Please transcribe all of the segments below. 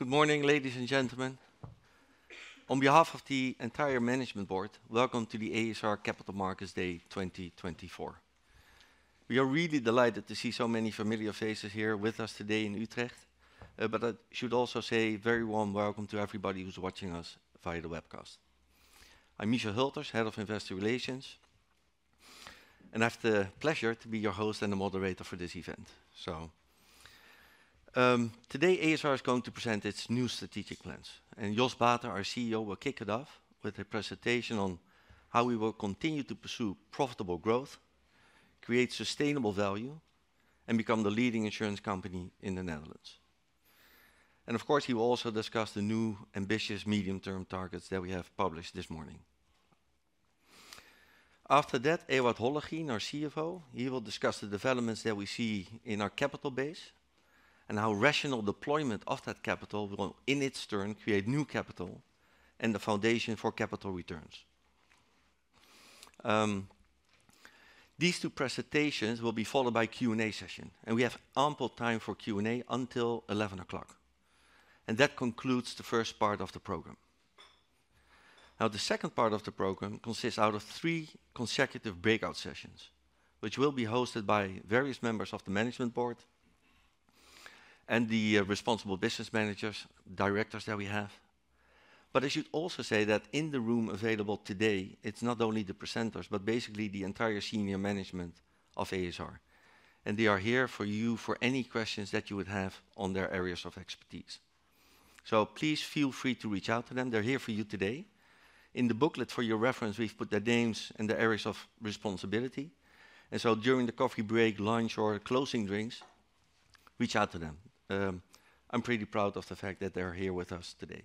Good morning, ladies and gentlemen. On behalf of the entire management board, welcome to the a.s.r. Capital Markets Day 2024. We are really delighted to see so many familiar faces here with us today in Utrecht, but I should also say very warm welcome to everybody who's watching us via the webcast. I'm Michel Hülters, Head of Investor Relations, and I have the pleasure to be your host and the moderator for this event. So, today, a.s.r. is going to present its new strategic plans, and Jos Baeten, our CEO, will kick it off with a presentation on how we will continue to pursue profitable growth, create sustainable value, and become the leading insurance company in the Netherlands. And of course, he will also discuss the new ambitious medium-term targets that we have published this morning. After that, Ewout Hollegien, our CFO, he will discuss the developments that we see in our capital base and how rational deployment of that capital will, in its turn, create new capital and the foundation for capital returns. These two presentations will be followed by a Q&A session, and we have ample time for Q&A until 11 o'clock, and that concludes the first part of the program. Now, the second part of the program consists out of three consecutive breakout sessions, which will be hosted by various members of the management board and the responsible business managers, directors that we have. But I should also say that in the room available today, it's not only the presenters, but basically the entire senior management of a.s.r., and they are here for you for any questions that you would have on their areas of expertise. So please feel free to reach out to them. They're here for you today. In the booklet, for your reference, we've put their names and their areas of responsibility, and so during the coffee break, lunch, or closing drinks, reach out to them. I'm pretty proud of the fact that they're here with us today.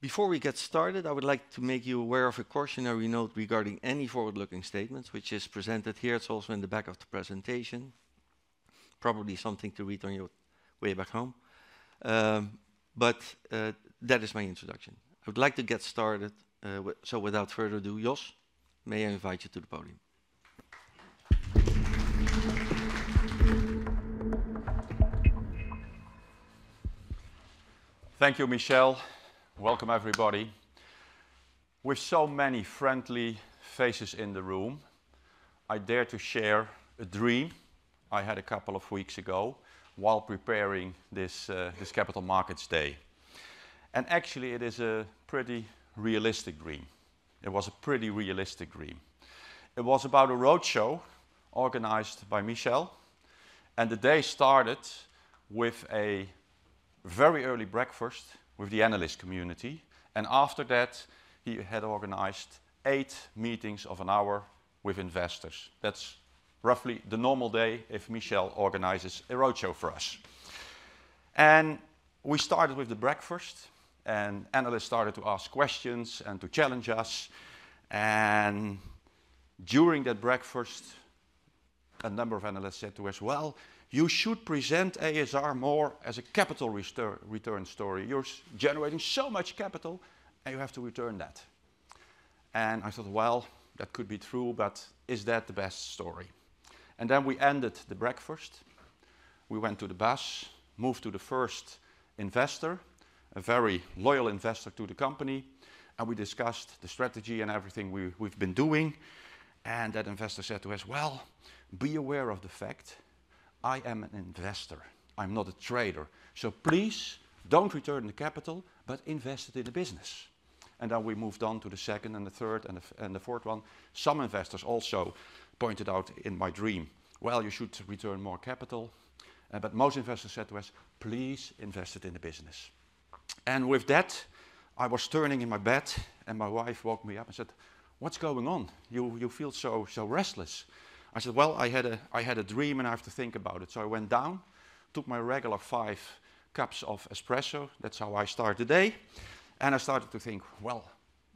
Before we get started, I would like to make you aware of a cautionary note regarding any forward-looking statements which is presented here. It's also in the back of the presentation. Probably something to read on your way back home. But that is my introduction. I would like to get started, so without further ado, Jos, may I invite you to the podium? Thank you, Michel. Welcome, everybody. With so many friendly faces in the room, I dare to share a dream I had a couple of weeks ago while preparing this, this Capital Markets Day, and actually, it is a pretty realistic dream. It was a pretty realistic dream. It was about a roadshow organized by Michel, and the day started with a very early breakfast with the analyst community, and after that, he had organized eight meetings of an hour with investors. That's roughly the normal day if Michel organizes a roadshow for us. And we started with the breakfast, and analysts started to ask questions and to challenge us, and during that breakfast, a number of analysts said to us, "Well, you should present a.s.r. more as a capital return story. You're generating so much capital, and you have to return that." And I thought, well, that could be true, but is that the best story? And then we ended the breakfast. We went to the bus, moved to the first investor, a very loyal investor to the company, and we discussed the strategy and everything we've been doing, and that investor said to us, "Well, be aware of the fact I am an investor. I'm not a trader, so please don't return the capital, but invest it in the business." And then we moved on to the second and the third and the fourth one. Some investors also pointed out in my dream, "Well, you should return more capital," but most investors said to us, "Please invest it in the business." And with that, I was turning in my bed, and my wife woke me up and said, "What's going on? You, you feel so, so restless." I said, "Well, I had a, I had a dream, and I have to think about it." So I went down, took my regular five cups of espresso. That's how I start the day, and I started to think, well,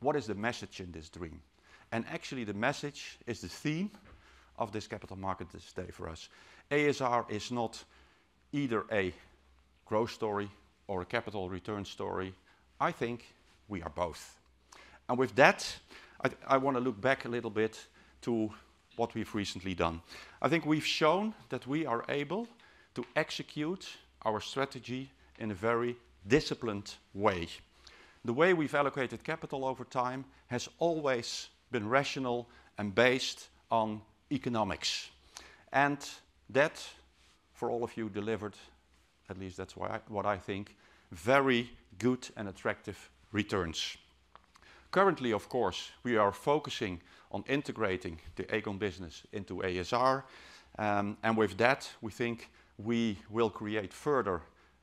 what is the message in this dream? And actually, the message is the theme of this Capital Markets Day for us. a.s.r. is not either a growth story or a capital return story. I think we are both. And with that, I, I wanna look back a little bit to what we've recently done. I think we've shown that we are able to execute our strategy in a very disciplined way. The way we've allocated capital over time has always been rational and based on economics, and that, for all of you, delivered, at least that's what I think, very good and attractive returns. Currently, of course, we are focusing on integrating the Aegon business into a.s.r., and with that, we think we will create further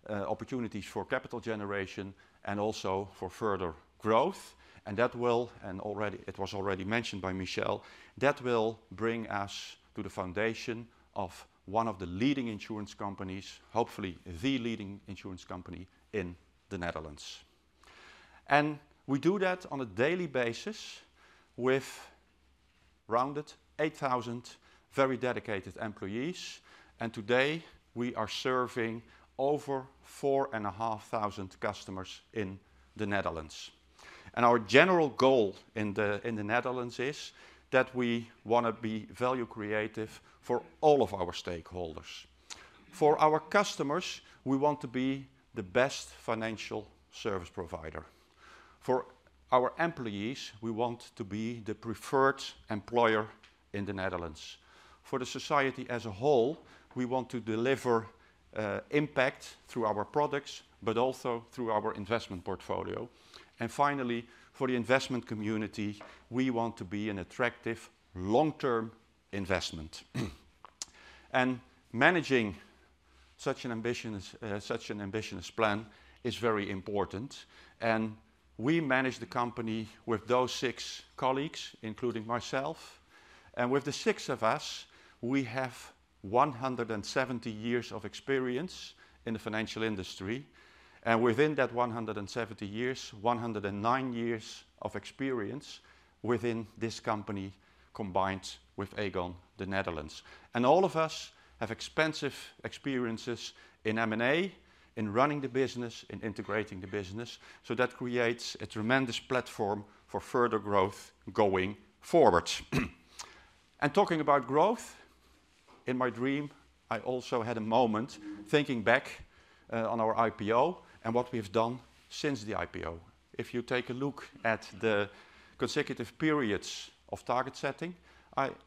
opportunities for capital generation and also for further growth, and that will, and already it was already mentioned by Michel, that will bring us to the foundation of one of the leading insurance companies, hopefully the leading insurance company in the Netherlands. And we do that on a daily basis with rounded 8,000 very dedicated employees, and today, we are serving over 4,500 customers in the Netherlands. Our general goal in the Netherlands is that we wanna be value creative for all of our stakeholders. For our customers, we want to be the best financial service provider. For our employees, we want to be the preferred employer in the Netherlands. For the society as a whole, we want to deliver impact through our products, but also through our investment portfolio. And finally, for the investment community, we want to be an attractive long-term investment. And managing such an ambitious plan is very important, and we manage the company with those six colleagues, including myself. And with the six of us, we have 170 years of experience in the financial industry, and within that 170 years, 109 years of experience within this company, combined with Aegon, the Netherlands. All of us have extensive experiences in M&A, in running the business, in integrating the business, so that creates a tremendous platform for further growth going forward. Talking about growth, in my dream, I also had a moment thinking back on our IPO and what we've done since the IPO. If you take a look at the consecutive periods of target setting,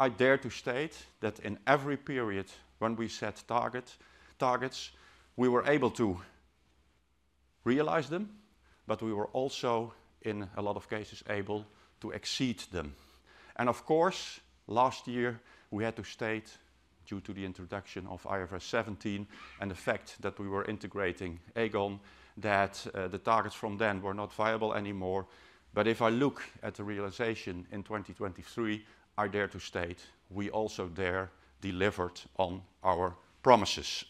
I dare to state that in every period when we set targets, we were able to realize them, but we were also, in a lot of cases, able to exceed them. Of course, last year, we had to state, due to the introduction of IFRS 17 and the fact that we were integrating Aegon, that the targets from then were not viable anymore. But if I look at the realization in 2023, I dare to state we also there delivered on our promises.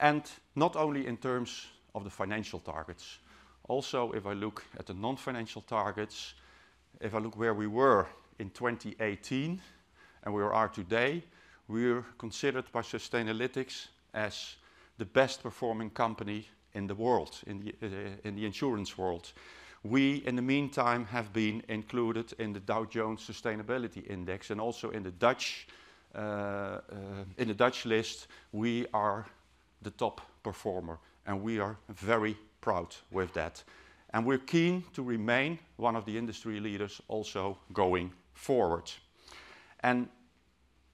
And not only in terms of the financial targets, also, if I look at the non-financial targets, if I look where we were in 2018 and where we are today, we're considered by Sustainalytics as the best performing company in the world, in the insurance world. We, in the meantime, have been included in the Dow Jones Sustainability Index and also in the Dutch list, we are the top performer, and we are very proud with that. And we're keen to remain one of the industry leaders also going forward. And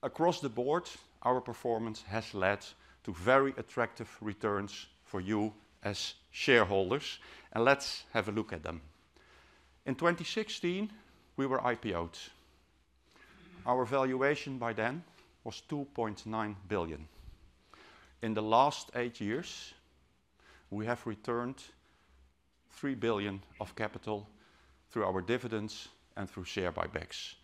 across the board, our performance has led to very attractive returns for you as shareholders, and let's have a look at them. In 2016, we were IPO'd. Our valuation by then was 2.9 billion. In the last 8 years, we have returned 3 billion of capital through our dividends and through share buybacks.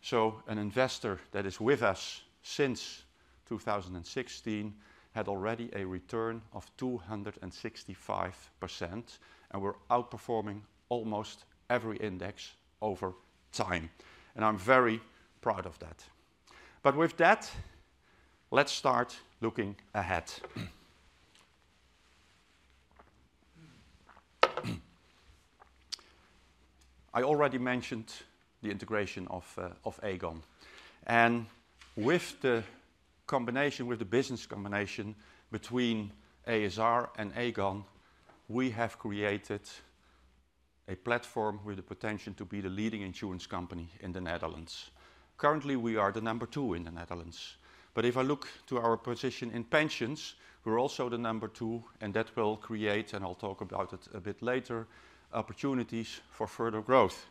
So an investor that is with us since 2016 had already a return of 265%, and we're outperforming almost every index over time, and I'm very proud of that. But with that, let's start looking ahead. I already mentioned the integration of, of Aegon, and with the combination, with the business combination between a.s.r. and Aegon, we have created a platform with the potential to be the leading insurance company in the Netherlands. Currently, we are the number two in the Netherlands, but if I look to our position in pensions, we're also the number two, and that will create, and I'll talk about it a bit later, opportunities for further growth.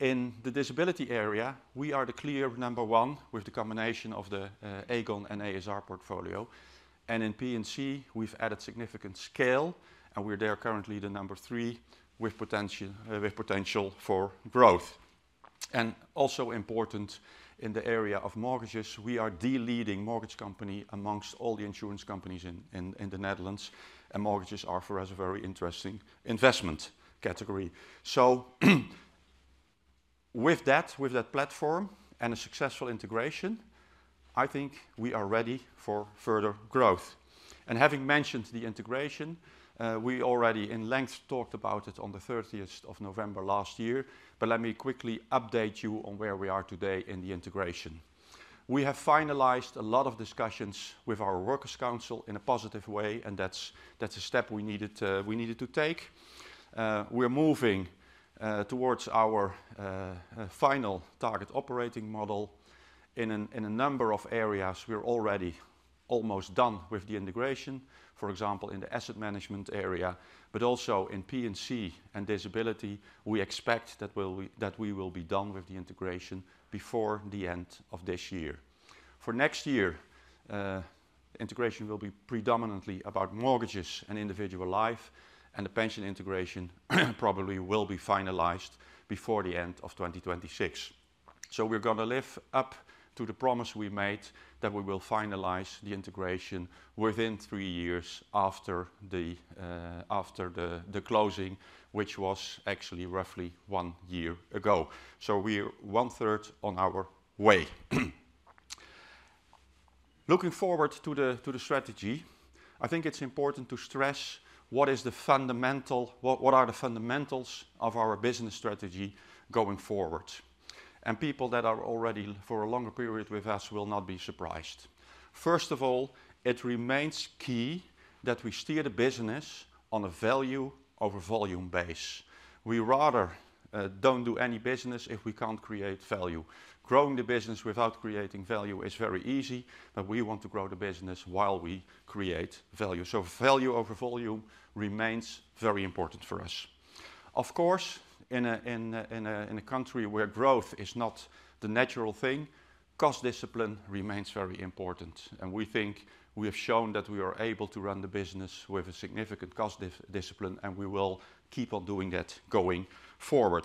In the disability area, we are the clear number 1 with the combination of the Aegon and a.s.r. portfolio. In P&C, we've added significant scale, and we're there currently the number 3, with potential for growth. Also important in the area of mortgages, we are the leading mortgage company amongst all the insurance companies in the Netherlands, and mortgages are, for us, a very interesting investment category. With that platform and a successful integration, I think we are ready for further growth. Having mentioned the integration, we already in length talked about it on the thirtieth of November last year, but let me quickly update you on where we are today in the integration. We have finalized a lot of discussions with our Works Council in a positive way, and that's, that's a step we needed to, we needed to take. We're moving towards our final target operating model. In a number of areas, we're already almost done with the integration. For example, in the asset management area, but also in P&C and disability, we expect that we'll, that we will be done with the integration before the end of this year. For next year, integration will be predominantly about mortgages and individual life, and the pension integration probably will be finalized before the end of 2026. So we're gonna live up to the promise we made, that we will finalize the integration within three years after the, after the, the closing, which was actually roughly one year ago. So we're one-third on our way.... Looking forward to the strategy, I think it's important to stress what the fundamentals of our business strategy going forward are? People that are already for a longer period with us will not be surprised. First of all, it remains key that we steer the business on a value over volume basis. We rather don't do any business if we can't create value. Growing the business without creating value is very easy, but we want to grow the business while we create value. So value over volume remains very important for us. Of course, in a country where growth is not the natural thing, cost discipline remains very important, and we think we have shown that we are able to run the business with a significant cost discipline, and we will keep on doing that going forward.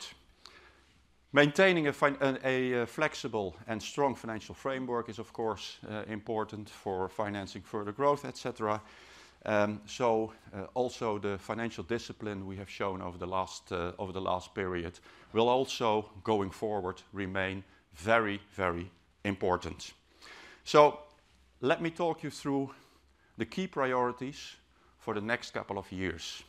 Maintaining a flexible and strong financial framework is, of course, important for financing further growth, et cetera. So, also the financial discipline we have shown over the last, over the last period will also, going forward, remain very, very important. So let me talk you through the key priorities for the next couple of years.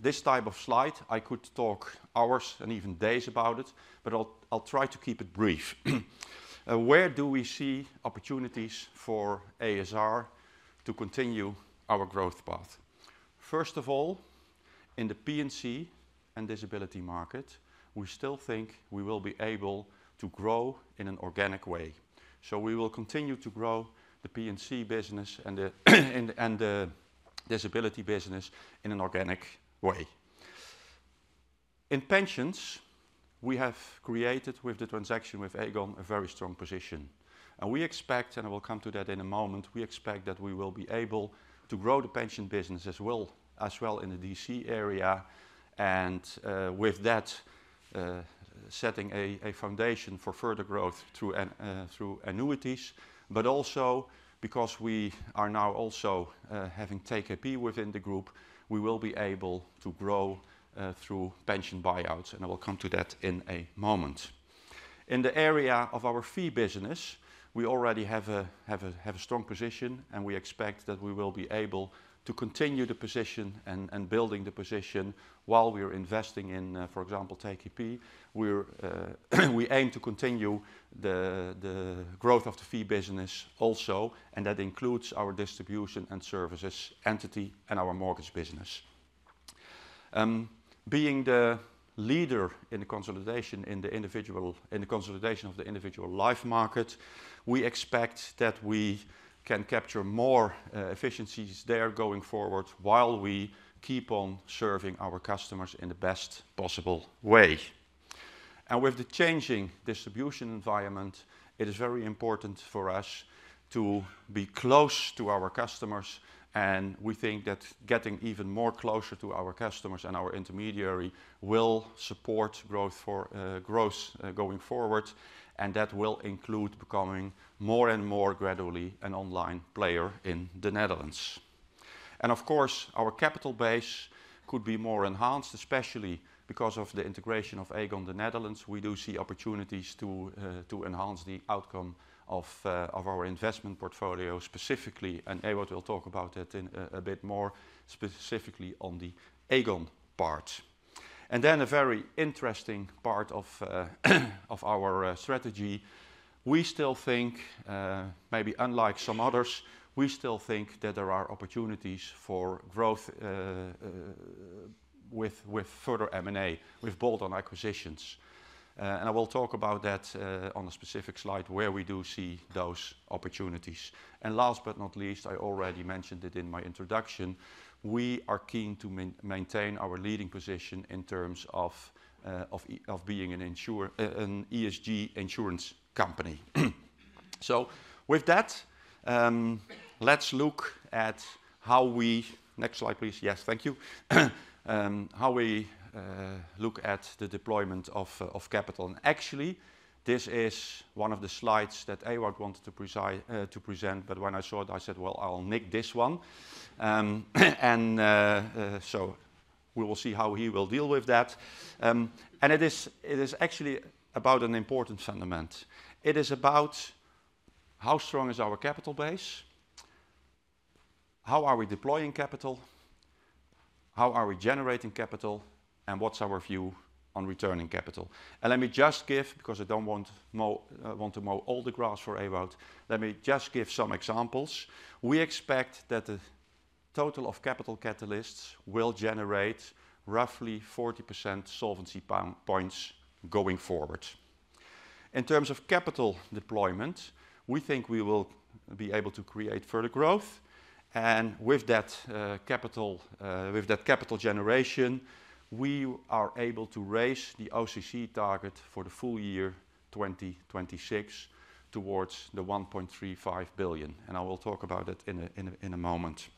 This type of slide, I could talk hours and even days about it, but I'll try to keep it brief. Where do we see opportunities for a.s.r to continue our growth path? First of all, in the P&C and disability market, we still think we will be able to grow in an organic way. So we will continue to grow the P&C business and the disability business in an organic way. In pensions, we have created, with the transaction with Aegon, a very strong position, and we expect, and I will come to that in a moment, we expect that we will be able to grow the pension business as well, as well in the DC area, and with that, setting a foundation for further growth through annuities. But also because we are now also having TKP within the group, we will be able to grow through pension buyouts, and I will come to that in a moment. In the area of our fee business, we already have a strong position, and we expect that we will be able to continue the position and building the position while we are investing in, for example, TKP. We aim to continue the growth of the fee business also, and that includes our Distribution and Services entity and our mortgage business. Being the leader in the consolidation of the individual life market, we expect that we can capture more efficiencies there going forward, while we keep on serving our customers in the best possible way. With the changing distribution environment, it is very important for us to be close to our customers, and we think that getting even more closer to our customers and our intermediary will support growth for growth going forward, and that will include becoming more and more gradually an online player in the Netherlands. Of course, our capital base could be more enhanced, especially because of the integration of Aegon Nederland. We do see opportunities to enhance the outcome of our investment portfolio specifically, and Ewout will talk about it in a bit more specifically on the Aegon part. Then a very interesting part of our strategy. We still think maybe unlike some others, we still think that there are opportunities for growth with further M&A, with bolt-on acquisitions. And I will talk about that on a specific slide where we do see those opportunities. And last but not least, I already mentioned it in my introduction, we are keen to maintain our leading position in terms of of being an ESG insurance company. So with that, let's look at how we... Next slide, please. Yes, thank you. How we look at the deployment of capital. And actually, this is one of the slides that Ewout wanted to present, but when I saw it, I said, "Well, I'll nick this one." And so we will see how he will deal with that. And it is actually about an important sentiment. It is about: How strong is our capital base? How are we deploying capital? How are we generating capital? And what's our view on returning capital? And let me just give, because I don't want to mow all the grass for Ewout, let me just give some examples. We expect that the total of capital catalysts will generate roughly 40% solvency points going forward. In terms of capital deployment, we think we will be able to create further growth. And with that capital, with that capital generation, we are able to raise the OCG target for the full year 2026 towards 1.35 billion, and I will talk about it in a moment.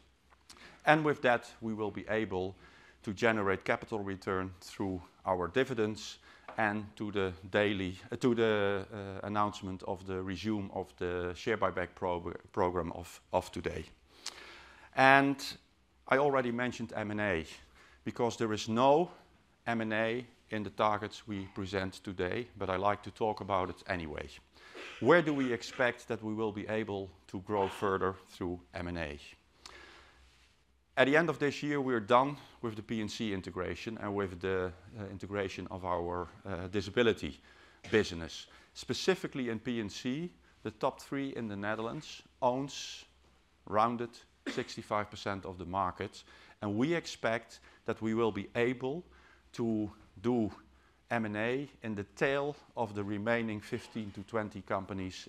And with that, we will be able to generate capital return through our dividends and today's announcement of the resumption of the share buyback program of today. I already mentioned M&A, because there is no M&A in the targets we present today, but I like to talk about it anyway. Where do we expect that we will be able to grow further through M&A? At the end of this year, we are done with the P&C integration and with the integration of our disability business. Specifically in P&C, the top three in the Netherlands owns rounded 65% of the market, and we expect that we will be able to do M&A in the tail of the remaining 15-20 companies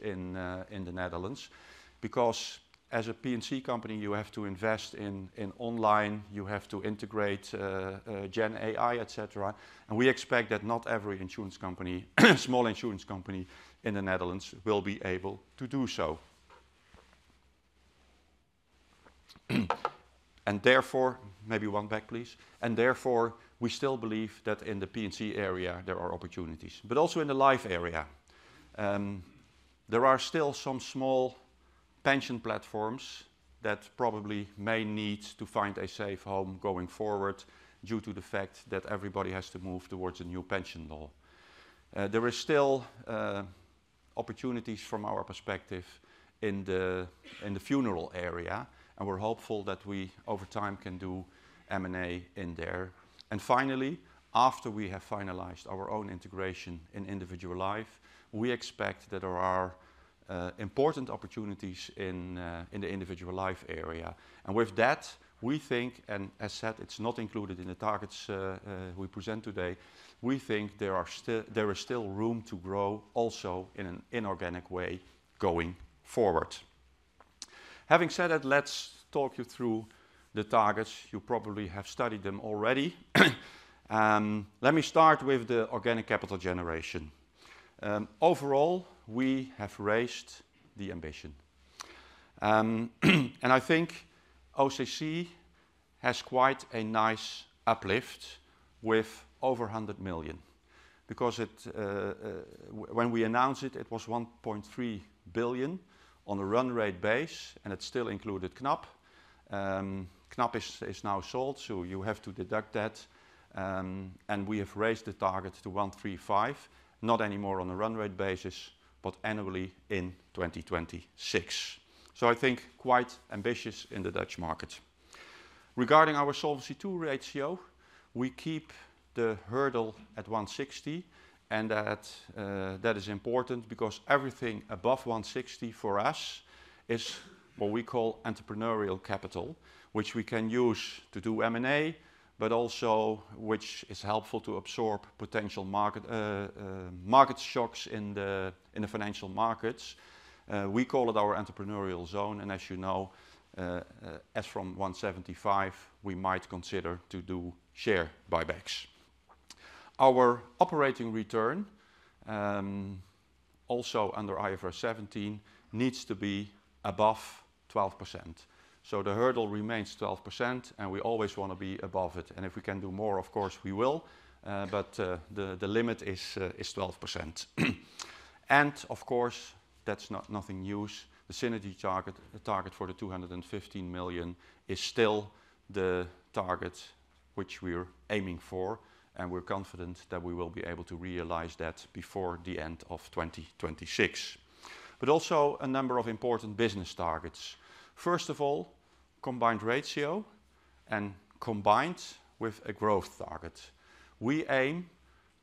in the Netherlands. Because as a P&C company, you have to invest in online, you have to integrate Gen AI, et cetera, and we expect that not every insurance company, small insurance company in the Netherlands will be able to do so. And therefore... Maybe one back, please. And therefore, we still believe that in the P&C area, there are opportunities, but also in the life area. There are still some small pension platforms that probably may need to find a safe home going forward, due to the fact that everybody has to move towards a new pension law. There is still opportunities from our perspective in the funeral area, and we're hopeful that we, over time, can do M&A in there. And finally, after we have finalized our own integration in individual life, we expect that there are important opportunities in the individual life area. And with that, we think, and as said, it's not included in the targets we present today, we think there is still room to grow, also in an inorganic way, going forward. Having said that, let's talk you through the targets. You probably have studied them already. Let me start with the organic capital generation. Overall, we have raised the ambition. And I think OCC has quite a nice uplift with over 100 million. Because it, when we announced it, it was 1.3 billion on a run rate base, and it still included Knab. Knab is now sold, so you have to deduct that. And we have raised the target to 1.35 billion, not anymore on a run rate basis, but annually in 2026. So I think quite ambitious in the Dutch market. Regarding our Solvency II ratio, we keep the hurdle at 160, and that is important because everything above 160 for us is what we call entrepreneurial capital, which we can use to do M&A, but also which is helpful to absorb potential market shocks in the financial markets. We call it our entrepreneurial zone, and as you know, as from 175, we might consider to do share buybacks. Our operating return, also under IFRS 17, needs to be above 12%. So the hurdle remains 12%, and we always wanna be above it, and if we can do more, of course, we will, but the limit is 12%. And of course, that's not nothing new. The synergy target, the target for 215 million, is still the target which we're aiming for, and we're confident that we will be able to realize that before the end of 2026. But also a number of important business targets. First of all, combined ratio and combined with a growth target. We aim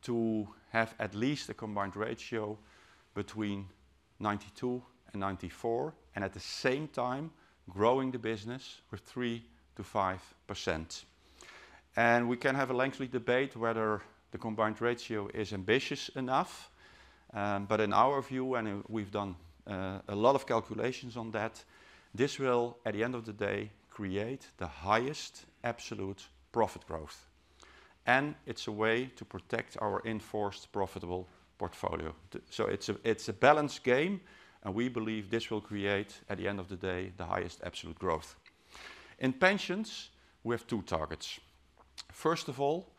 to have at least a combined ratio between 92%-94%, and at the same time, growing the business with 3%-5%. And we can have a lengthy debate whether the combined ratio is ambitious enough, but in our view, and we've done a lot of calculations on that, this will, at the end of the day, create the highest absolute profit growth, and it's a way to protect our in-force profitable portfolio. So it's a balanced game, and we believe this will create, at the end of the day, the highest absolute growth. In pensions, we have two targets. First of all,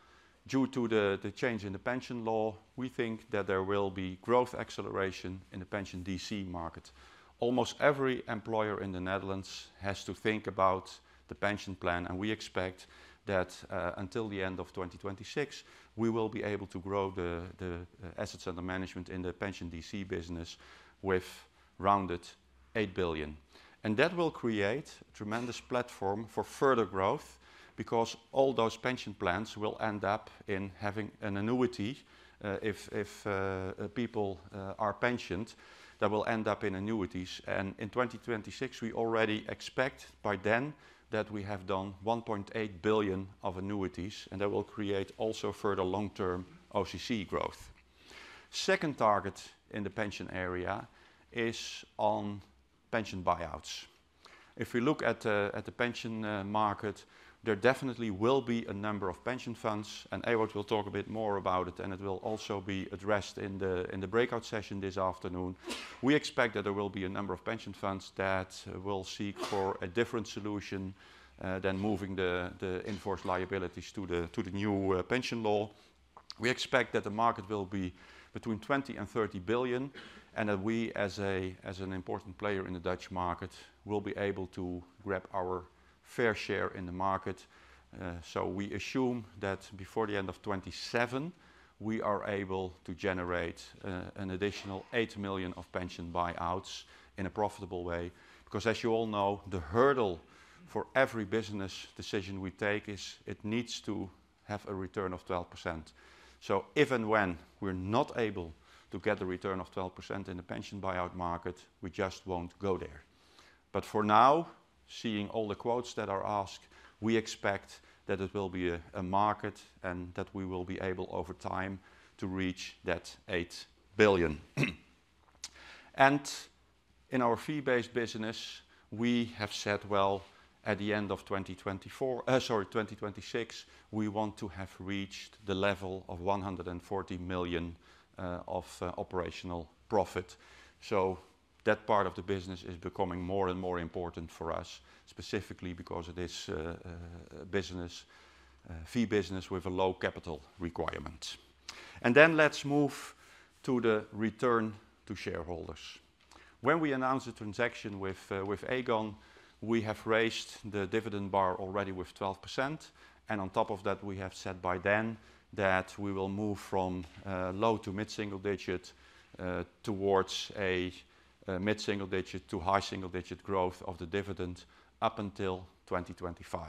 due to the change in the pension law, we think that there will be growth acceleration in the pension DC market. Almost every employer in the Netherlands has to think about the pension plan, and we expect that until the end of 2026, we will be able to grow the assets under management in the pension DC business with rounded 8 billion. And that will create tremendous platform for further growth, because all those pension plans will end up in having an annuity. If people are pensioned, that will end up in annuities. In 2026, we already expect by then that we have done 1.8 billion of annuities, and that will create also further long-term OCC growth. Second target in the pension area is on pension buyouts. If we look at, at the pension market, there definitely will be a number of pension funds, and Ewout will talk a bit more about it, and it will also be addressed in the, in the breakout session this afternoon. We expect that there will be a number of pension funds that will seek for a different solution, than moving the, the in-force liabilities to the, to the new, pension law. We expect that the market will be between 20 billion and 30 billion, and that we, as a, as an important player in the Dutch market, will be able to grab our fair share in the market. So we assume that before the end of 2027, we are able to generate an additional 8 million of pension buyouts in a profitable way. Because as you all know, the hurdle for every business decision we take is, it needs to have a return of 12%. So if and when we're not able to get a return of 12% in the pension buyout market, we just won't go there. But for now, seeing all the quotes that are asked, we expect that it will be a market, and that we will be able, over time, to reach that 8 billion. And in our fee-based business, we have said, well, at the end of 2024, sorry, 2026, we want to have reached the level of 140 million of operational profit. So that part of the business is becoming more and more important for us, specifically because it is a fee business with a low capital requirement. Then let's move to the return to shareholders. When we announced the transaction with Aegon, we have raised the dividend bar already with 12%, and on top of that, we have said by then that we will move from low to mid-single digit towards a mid-single digit to high single digit growth of the dividend up until 2025.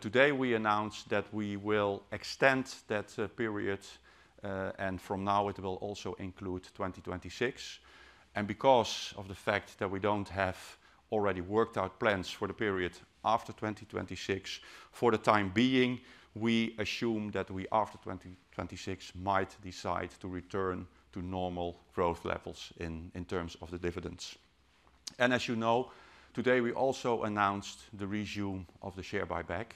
Today, we announced that we will extend that period, and from now it will also include 2026. Because of the fact that we don't have already worked out plans for the period after 2026, for the time being, we assume that we, after 2026, might decide to return to normal growth levels in terms of the dividends. As you know, today we also announced the resume of the share buyback,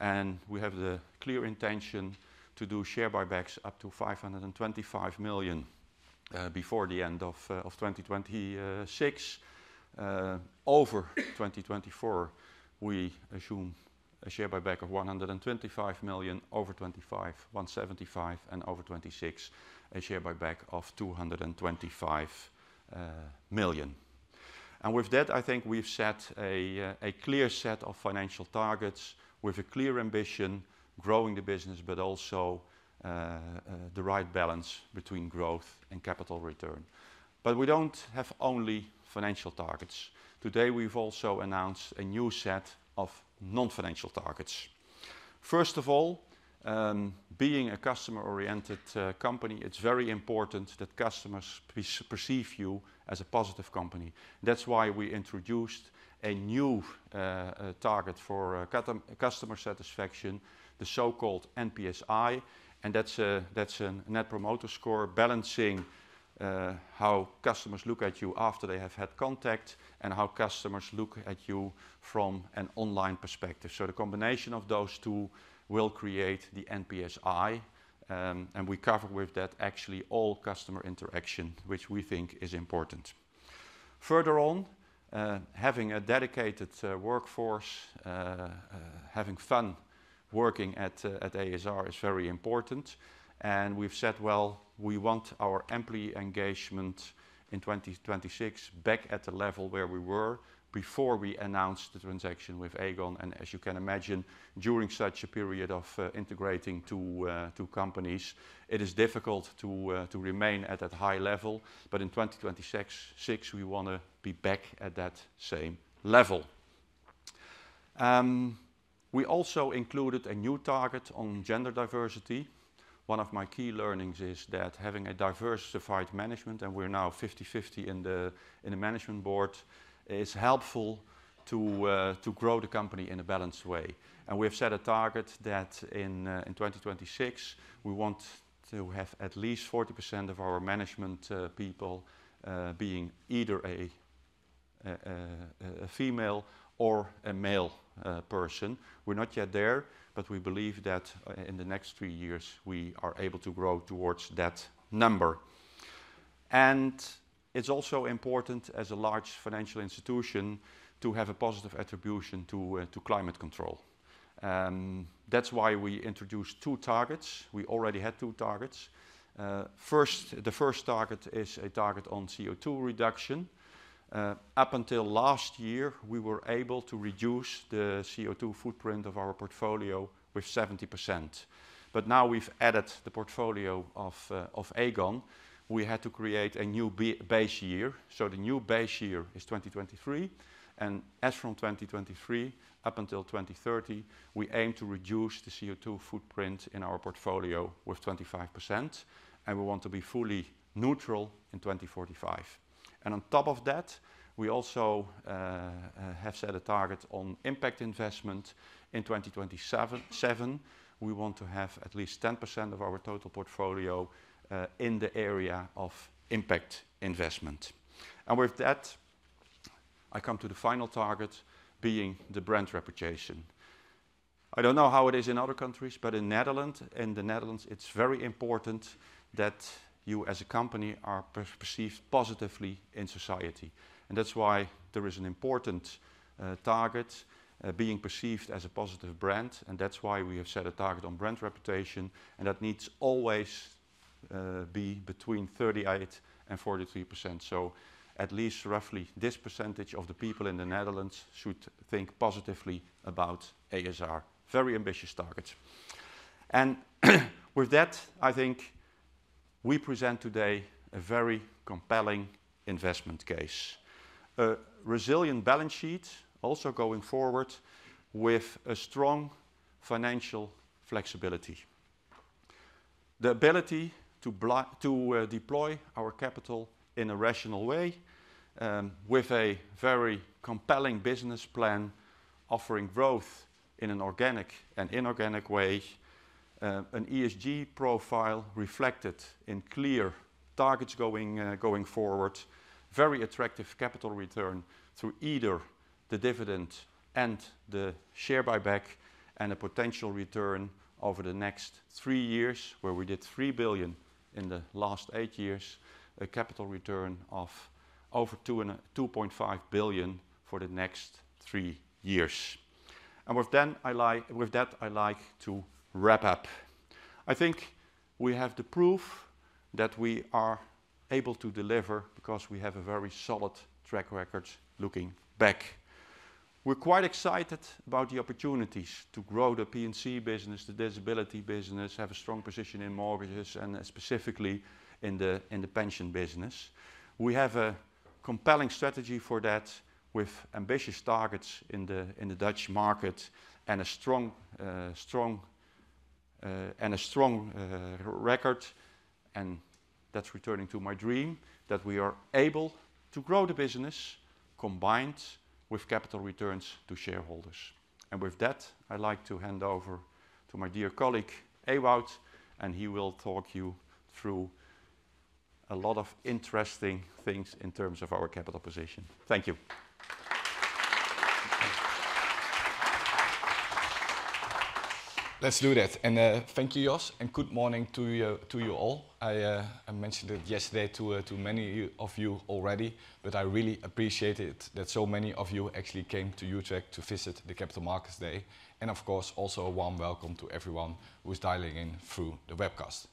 and we have the clear intention to do share buybacks up to 525 million before the end of 2026. Over 2024, we assume a share buyback of 125 million, over 2025, 175 million, and over 2026, a share buyback of 225 million. And with that, I think we've set a clear set of financial targets with a clear ambition, growing the business, but also the right balance between growth and capital return. But we don't have only financial targets. Today, we've also announced a new set of non-financial targets. First of all, being a customer-oriented company, it's very important that customers perceive you as a positive company. That's why we introduced a new target for customer satisfaction, the so-called NPSI, and that's a Net Promoter Score, balancing how customers look at you after they have had contact, and how customers look at you from an online perspective. So the combination of those two will create the NPSI, and we cover with that, actually, all customer interaction, which we think is important. Further on, having a dedicated workforce, having fun working at ASR is very important. And we've said, well, we want our employee engagement in 2026 back at the level where we were before we announced the transaction with Aegon. And as you can imagine, during such a period of integrating two companies, it is difficult to remain at that high level, but in 2026, we wanna be back at that same level. We also included a new target on gender diversity. One of my key learnings is that having a diversified management, and we're now 50/50 in the management board, is helpful to grow the company in a balanced way. We've set a target that in 2026, we want to have at least 40% of our management people being either a female or a male person. We're not yet there, but we believe that in the next three years, we are able to grow towards that number. It's also important, as a large financial institution, to have a positive attribution to climate control. That's why we introduced two targets. We already had two targets. First, the first target is a target on CO2 reduction. Up until last year, we were able to reduce the CO2 footprint of our portfolio with 70%. But now we've added the portfolio of Aegon. We had to create a new base year, so the new base year is 2023, and as from 2023, up until 2030, we aim to reduce the CO2 footprint in our portfolio with 25%, and we want to be fully neutral in 2045. On top of that, we also have set a target on impact investment in 2027. We want to have at least 10% of our total portfolio in the area of impact investment. And with that, I come to the final target being the brand reputation. I don't know how it is in other countries, but in the Netherlands, it's very important that you, as a company, are perceived positively in society. That's why there is an important target being perceived as a positive brand, and that's why we have set a target on brand reputation, and that needs always be between 38% and 43%. So at least roughly, this percentage of the people in the Netherlands should think positively about a.s.r. Very ambitious targets. With that, I think we present today a very compelling investment case. A resilient balance sheet, also going forward with a strong financial flexibility. The ability to deploy our capital in a rational way, with a very compelling business plan, offering growth in an organic and inorganic way. An ESG profile reflected in clear targets going forward. Very attractive capital return through either the dividend and the share buyback, and a potential return over the next 3 years, where we did 3 billion in the last 8 years, a capital return of over 2 and 2.5 billion for the next 3 years. And with that, I like to wrap up. I think we have the proof that we are able to deliver, because we have a very solid track record looking back. We're quite excited about the opportunities to grow the P&C business, the disability business, have a strong position in mortgages, and specifically in the pension business. We have a compelling strategy for that, with ambitious targets in the Dutch market, and a strong record. And that's returning to my dream, that we are able to grow the business combined with capital returns to shareholders. And with that, I'd like to hand over to my dear colleague, Ewout, and he will talk you through a lot of interesting things in terms of our capital position. Thank you. Let's do that. And, thank you, Jos, and good morning to you, to you all. I, I mentioned it yesterday to, to many of you already, but I really appreciate it, that so many of you actually came to Utrecht to visit the Capital Markets Day. And of course, also a warm welcome to everyone who is dialing in through the webcast.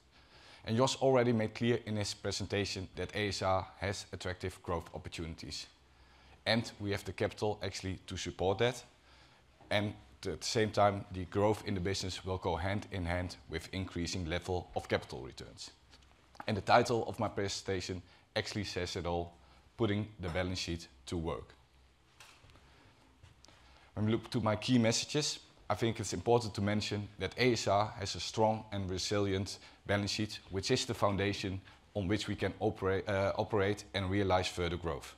And Jos already made clear in his presentation that a.s.r. has attractive growth opportunities, and we have the capital actually to support that. And at the same time, the growth in the business will go hand in hand with increasing level of capital returns. And the title of my presentation actually says it all, Putting the Balance Sheet to Work. When we look to my key messages, I think it's important to mention that a.s.r. has a strong and resilient balance sheet, which is the foundation on which we can operate and realize further growth.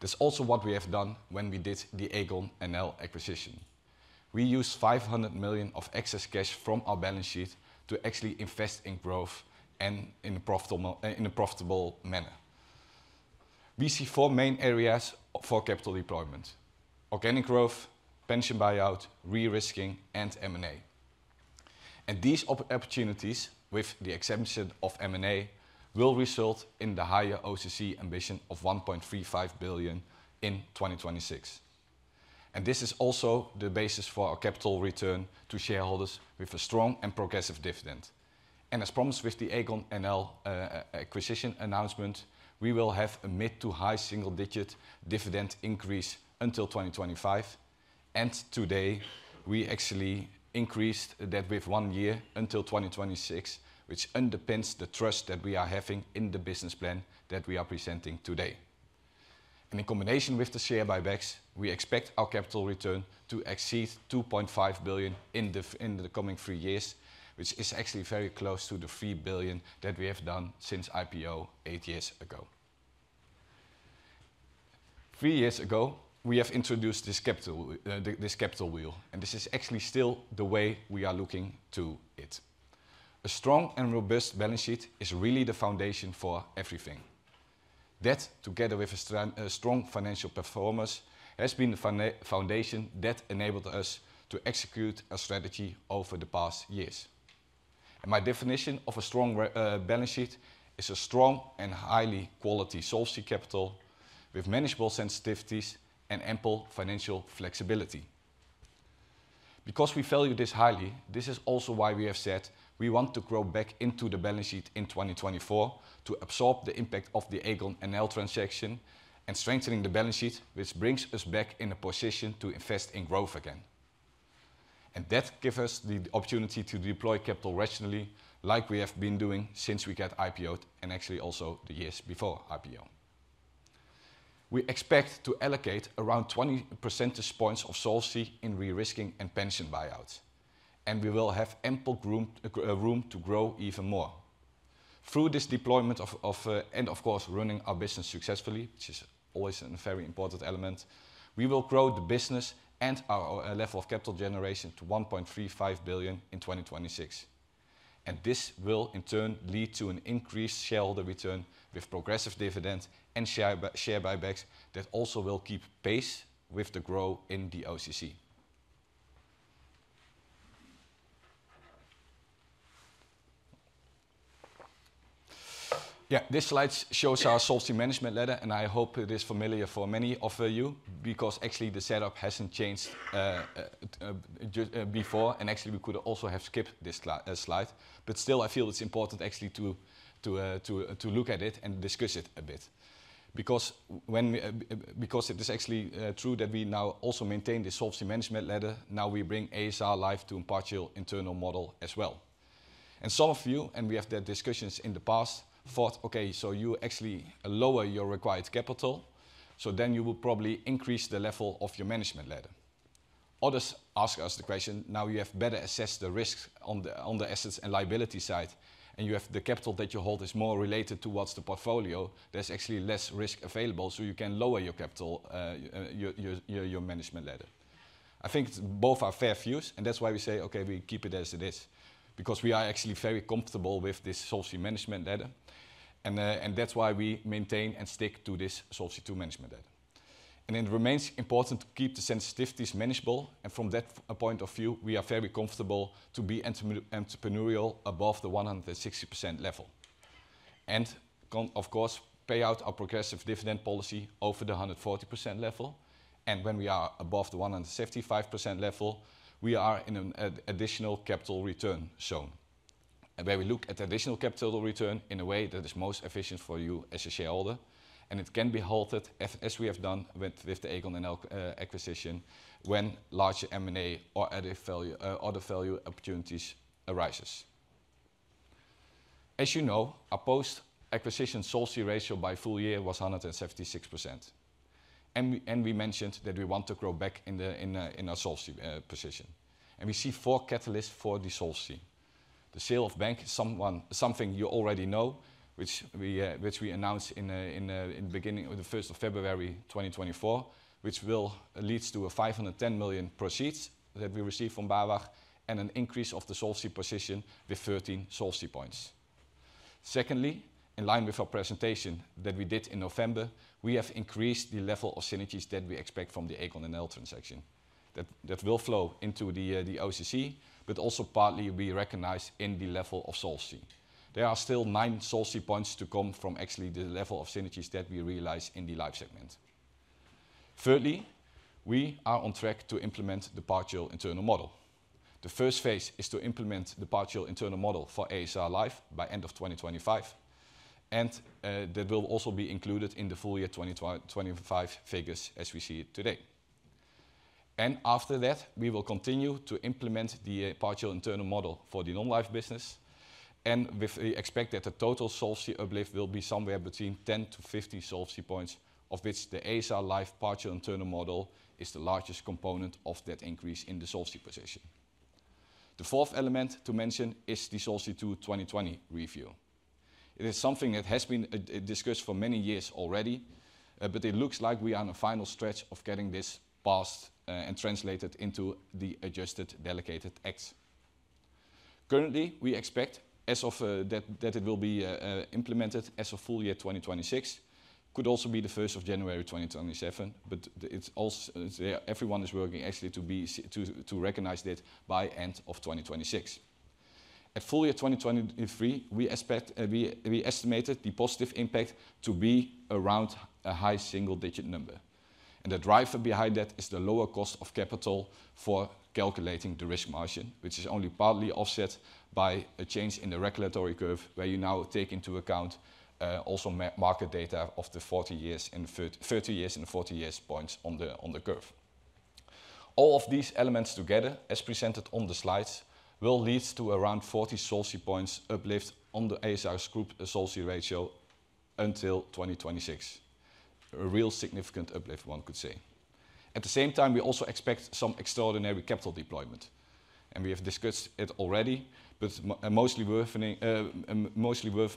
That's also what we have done when we did the Aegon NL acquisition. We used 500 million of excess cash from our balance sheet to actually invest in growth and in a profitable manner. We see four main areas for capital deployment: organic growth, pension buy-out, de-risking, and M&A. And these opportunities, with the exception of M&A, will result in the higher OCC ambition of 1.35 billion in 2026. And this is also the basis for our capital return to shareholders, with a strong and progressive dividend. As promised with the Aegon NL acquisition announcement, we will have a mid- to high single-digit dividend increase until 2025, and today, we actually increased that with one year until 2026, which underpins the trust that we are having in the business plan that we are presenting today. In combination with the share buybacks, we expect our capital return to exceed 2.5 billion in the coming three years, which is actually very close to the 3 billion that we have done since IPO eight years ago. Three years ago, we introduced this capital wheel, and this is actually still the way we are looking to it. A strong and robust balance sheet is really the foundation for everything. That, together with a strong financial performance, has been the foundation that enabled us to execute our strategy over the past years. And my definition of a strong balance sheet is a strong and high quality solvency capital, with manageable sensitivities and ample financial flexibility. Because we value this highly, this is also why we have said we want to grow back into the balance sheet in 2024, to absorb the impact of the Aegon NL transaction and strengthening the balance sheet, which brings us back in a position to invest in growth again. And that give us the opportunity to deploy capital rationally, like we have been doing since we got IPO'd, and actually also the years before IPO. We expect to allocate around 20 percentage points of solvency in de-risking and pension buyouts, and we will have ample room, room to grow even more. Through this deployment of and of course, running our business successfully, which is always a very important element, we will grow the business and our level of capital generation to 1.35 billion in 2026. And this will in turn lead to an increased shareholder return with progressive dividends and share buy, share buybacks, that also will keep pace with the growth in the OCC. Yeah, this slide shows our solvency management ladder, and I hope it is familiar for many of you, because actually the setup hasn't changed before, and actually, we could also have skipped this slide. But still, I feel it's important actually to look at it and discuss it a bit. Because it is actually true that we now also maintain the solvency management ladder, now we bring a.s.r. life to partial internal model as well. And some of you, and we have had discussions in the past, thought, "Okay, so you actually lower your required capital, so then you will probably increase the level of your management ladder." Others ask us the question, "Now you have better assessed the risks on the assets and liability side, and you have the capital that you hold is more related towards the portfolio. There's actually less risk available, so you can lower your capital management ladder." I think both are fair views, and that's why we say, "Okay, we keep it as it is," because we are actually very comfortable with this solvency management ladder, and that's why we maintain and stick to this Solvency II management ladder. It remains important to keep the sensitivities manageable, and from that point of view, we are very comfortable to be entrepreneurial above the 160% level. And of course, pay out our progressive dividend policy over the 140% level, and when we are above the 155% level, we are in an additional capital return zone. And where we look at the additional capital return in a way that is most efficient for you as a shareholder, and it can be halted, as, as we have done with, with the Aegon and NL, acquisition, when large M&A or added value, or the value opportunities arises. As you know, our post-acquisition solvency ratio by full year was 176%. And we, and we mentioned that we want to grow back in the, in, in our solvency, position. And we see four catalysts for the solvency. The sale of bank is something you already know, which we, which we announced in, in, in the beginning of the first of February 2024, which will leads to a 510 million proceeds that we received from BAWAG, and an increase of the solvency position with 13 solvency points. Secondly, in line with our presentation that we did in November, we have increased the level of synergies that we expect from the Aegon NL transaction. That, that will flow into the OCC, but also partly will be recognized in the level of solvency. There are still 9 solvency points to come from actually the level of synergies that we realize in the life segment. Thirdly, we are on track to implement the partial internal model. The first phase is to implement the partial internal model for a.s.r. Life by end of 2025, and that will also be included in the full year 2025 figures as we see it today. And after that, we will continue to implement the partial internal model for the non-life business, and we expect that the total solvency uplift will be somewhere between 10-15 solvency points, of which the a.s.r. Life partial internal model is the largest component of that increase in the solvency position. The fourth element to mention is the Solvency II 2020 review. It is something that has been discussed for many years already, but it looks like we are on the final stretch of getting this passed, and translated into the adjusted delegated acts. Currently, we expect as of that, that it will be implemented as of full year 2026. Could also be the first of January 2027, but it's also, everyone is working actually to be set to recognize that by end of 2026. At full year 2023, we expect, we, we estimated the positive impact to be around a high single-digit number, and the driver behind that is the lower cost of capital for calculating the risk margin, which is only partly offset by a change in the regulatory curve, where you now take into account, also market data of the 40 years and 30 years and 40 years points on the, on the curve. All of these elements together, as presented on the slides, will lead to around 40 solvency points uplift on the a.s.r.'s group solvency ratio until 2026. A real significant uplift, one could say. At the same time, we also expect some extraordinary capital deployment, and we have discussed it already, but mostly worth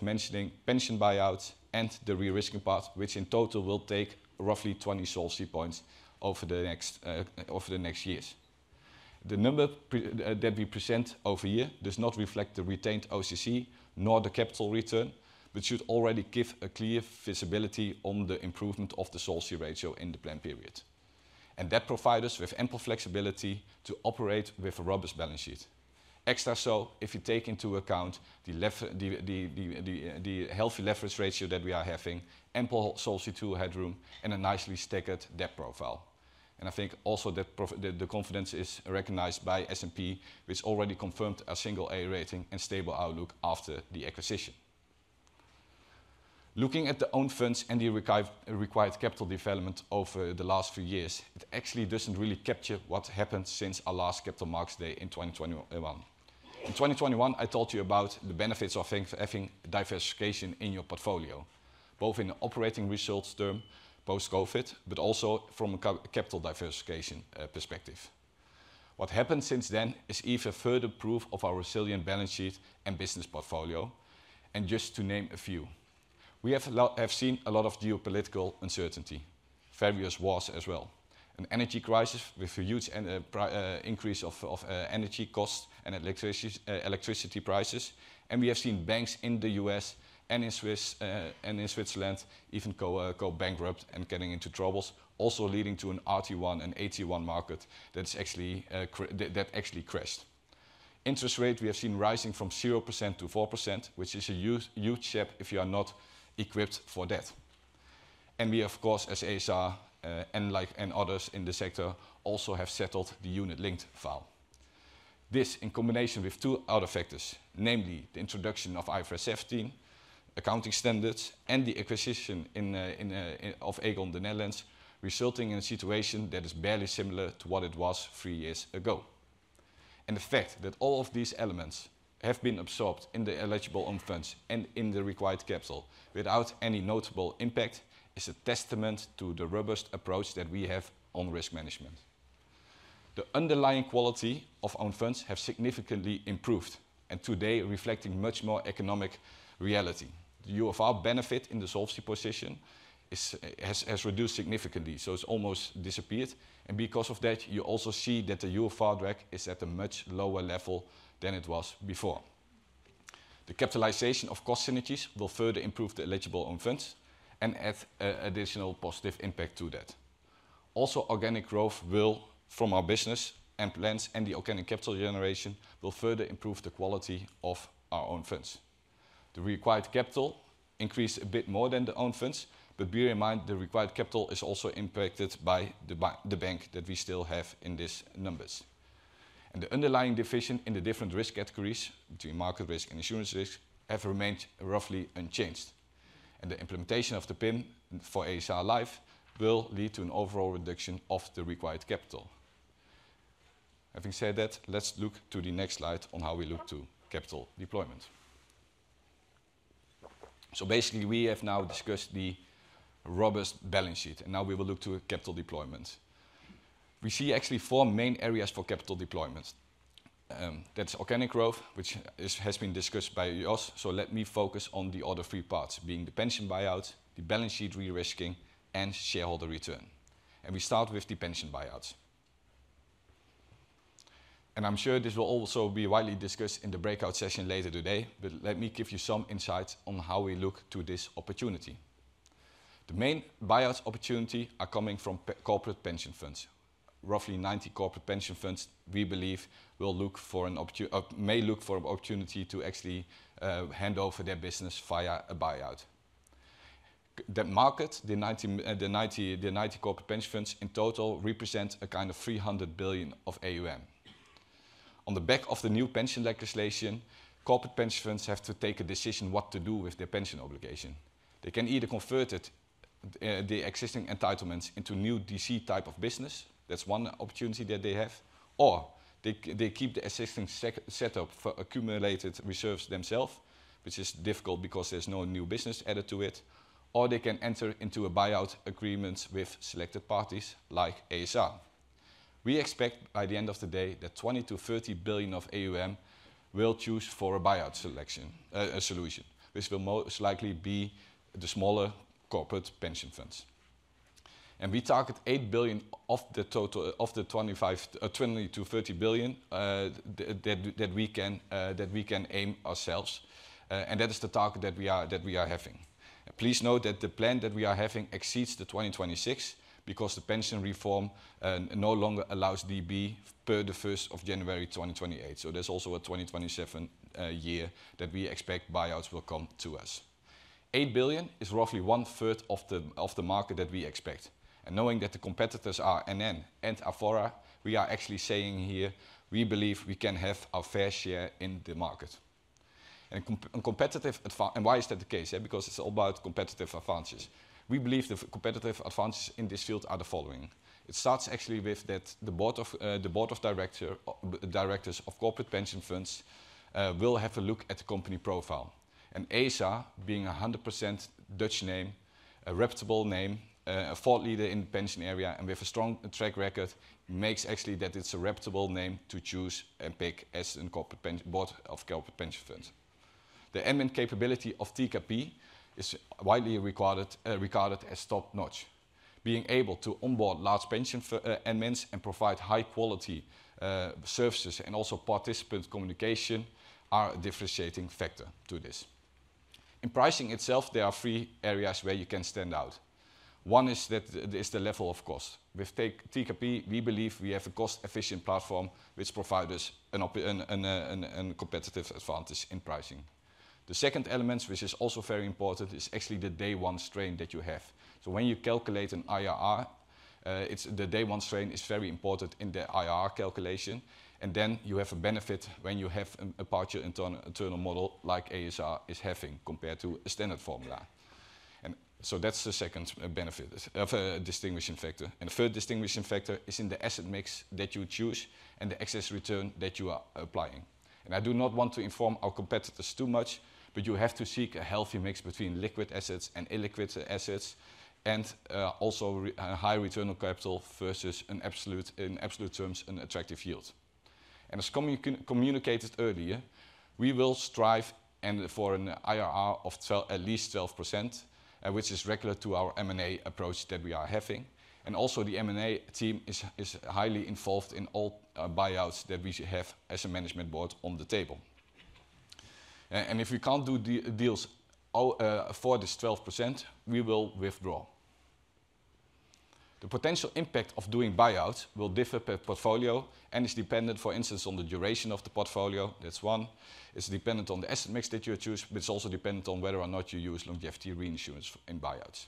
mentioning, pension buyouts and the riskier parts, which in total will take roughly 20 solvency points over the next years. The number that we present over here does not reflect the retained OCC nor the capital return, but should already give a clear visibility on the improvement of the solvency ratio in the plan period. And that provide us with ample flexibility to operate with a robust balance sheet. Extra so, if you take into account the healthy leverage ratio that we are having, ample Solvency II headroom, and a nicely staggered debt profile. And I think also the pro... The confidence is recognized by S&P, which already confirmed a single A rating and stable outlook after the acquisition. Looking at the own funds and the required capital development over the last few years, it actually doesn't really capture what happened since our last Capital Markets Day in 2021. In 2021, I told you about the benefits of having diversification in your portfolio, both in operating results term, post-COVID, but also from a capital diversification perspective. What happened since then is even further proof of our resilient balance sheet and business portfolio, and just to name a few: We have seen a lot of geopolitical uncertainty, various wars as well, an energy crisis with a huge increase of energy costs and electricity prices, and we have seen banks in the U.S. and in Switzerland even go bankrupt and getting into troubles, also leading to an RT1 and AT1 market that's actually crashed. Interest rate, we have seen rising from 0% to 4%, which is a huge, huge gap if you are not equipped for that. And we, of course, as a.s.r., and like, and others in the sector, also have settled the unit-linked file. This, in combination with two other factors, namely the introduction of IFRS 17, accounting standards, and the acquisition of Aegon the Netherlands, resulting in a situation that is barely similar to what it was three years ago. The fact that all of these elements have been absorbed in the eligible own funds and in the required capital without any notable impact is a testament to the robust approach that we have on risk management. The underlying quality of own funds have significantly improved, and today reflecting much more economic reality. The UFR benefit in the solvency position has reduced significantly, so it's almost disappeared. Because of that, you also see that the UFR drag is at a much lower level than it was before. The capitalization of cost synergies will further improve the eligible own funds and add additional positive impact to that. Also, organic growth will, from our business and plans and the organic capital generation, will further improve the quality of our own funds. The required capital increased a bit more than the own funds, but bear in mind, the required capital is also impacted by the bank that we still have in these numbers. The underlying division in the different risk categories, between market risk and insurance risk, have remained roughly unchanged, and the implementation of the PIM for ASR Life will lead to an overall reduction of the required capital. Having said that, let's look to the next slide on how we look to capital deployment. So basically, we have now discussed the robust balance sheet, and now we will look to capital deployment. We see actually four main areas for capital deployment. That's organic growth, which is, has been discussed by Jos, so let me focus on the other three parts, being the pension buyouts, the balance sheet de-risking, and shareholder return. We start with the pension buyouts. I'm sure this will also be widely discussed in the breakout session later today, but let me give you some insights on how we look to this opportunity. The main buyouts opportunity are coming from corporate pension funds. Roughly 90 corporate pension funds, we believe, may look for an opportunity to actually hand over their business via a buyout. The market, the 90 corporate pension funds in total represent a kind of 300 billion of AUM. On the back of the new pension legislation, corporate pension funds have to take a decision what to do with their pension obligation. They can either convert it, the existing entitlements into new DC type of business. That's one opportunity that they have. Or they, they keep the existing setup for accumulated reserves themselves, which is difficult because there's no new business added to it. Or they can enter into a buyout agreement with selected parties like a.s.r. We expect by the end of the day, that 20 billion-30 billion of AUM will choose for a buyout selection, solution, which will most likely be the smaller corporate pension funds. We target 8 billion of the total, of the 25, 20-30 billion, that, that we can, that we can aim ourselves, and that is the target that we are, that we are having. Please note that the plan that we are having exceeds 2026, because the pension reform no longer allows DB per the first of January 2028. So there's also a 2027 year that we expect buyouts will come to us. 8 billion is roughly one third of the, of the market that we expect, and knowing that the competitors are NN and Athora, we are actually saying here we believe we can have our fair share in the market. And competitive advantages and why is that the case, yeah? Because it's all about competitive advantages. We believe the competitive advantages in this field are the following: It starts actually with that the board of directors of corporate pension funds will have a look at the company profile. And ASR, being 100% Dutch name, a reputable name, a thought leader in the pension area, and with a strong track record, makes actually that it's a reputable name to choose and pick as in corporate pension board of corporate pension funds. The admin capability of TKP is widely regarded as top-notch. Being able to onboard large pension fund admins and provide high quality services and also participant communication, are a differentiating factor to this. In pricing itself, there are three areas where you can stand out. One is that, is the level of cost. With TKP, we believe we have a cost-efficient platform which provides us a competitive advantage in pricing. The second element, which is also very important, is actually the day one strain that you have. So when you calculate an IRR, it's the day one strain is very important in the IRR calculation, and then you have a benefit when you have a partial internal model like a.s.r. is having, compared to a standard formula. And so that's the second benefit of distinguishing factor. And third distinguishing factor is in the asset mix that you choose and the excess return that you are applying. I do not want to inform our competitors too much, but you have to seek a healthy mix between liquid assets and illiquid assets, and also high return on capital versus an absolute, in absolute terms, an attractive yield. As communicated earlier, we will strive for an IRR of at least 12%, which is regular to our M&A approach that we are having. Also the M&A team is highly involved in all buyouts that we should have as a management board on the table. If we can't do deals for this 12%, we will withdraw. The potential impact of doing buyouts will differ per portfolio and is dependent, for instance, on the duration of the portfolio. That's one. It's dependent on the asset mix that you choose, but it's also dependent on whether or not you use longevity reinsurance in buyouts.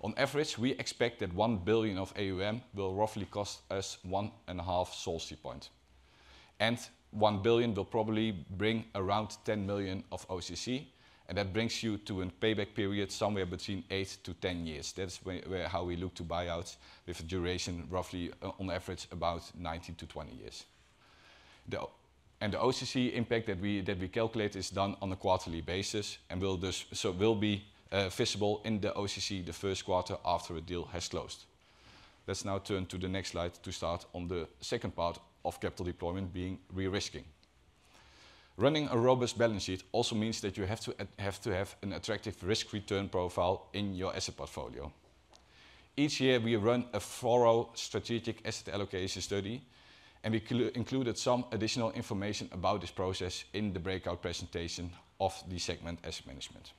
On average, we expect that 1 billion of AUM will roughly cost us 1.5 Solvency points. And 1 billion will probably bring around 10 million of OCC, and that brings you to a payback period somewhere between 8-10 years. That's where how we look to buyouts with a duration, roughly on average, about 19-20 years. The And the OCC impact that we, that we calculate is done on a quarterly basis and will this, so will be visible in the OCC the first quarter after a deal has closed. Let's now turn to the next slide to start on the second part of capital deployment being de-risking. Running a robust balance sheet also means that you have to have to have an attractive risk-return profile in your asset portfolio. Each year, we run a thorough strategic asset allocation study, and we included some additional information about this process in the breakout presentation of the segment asset management.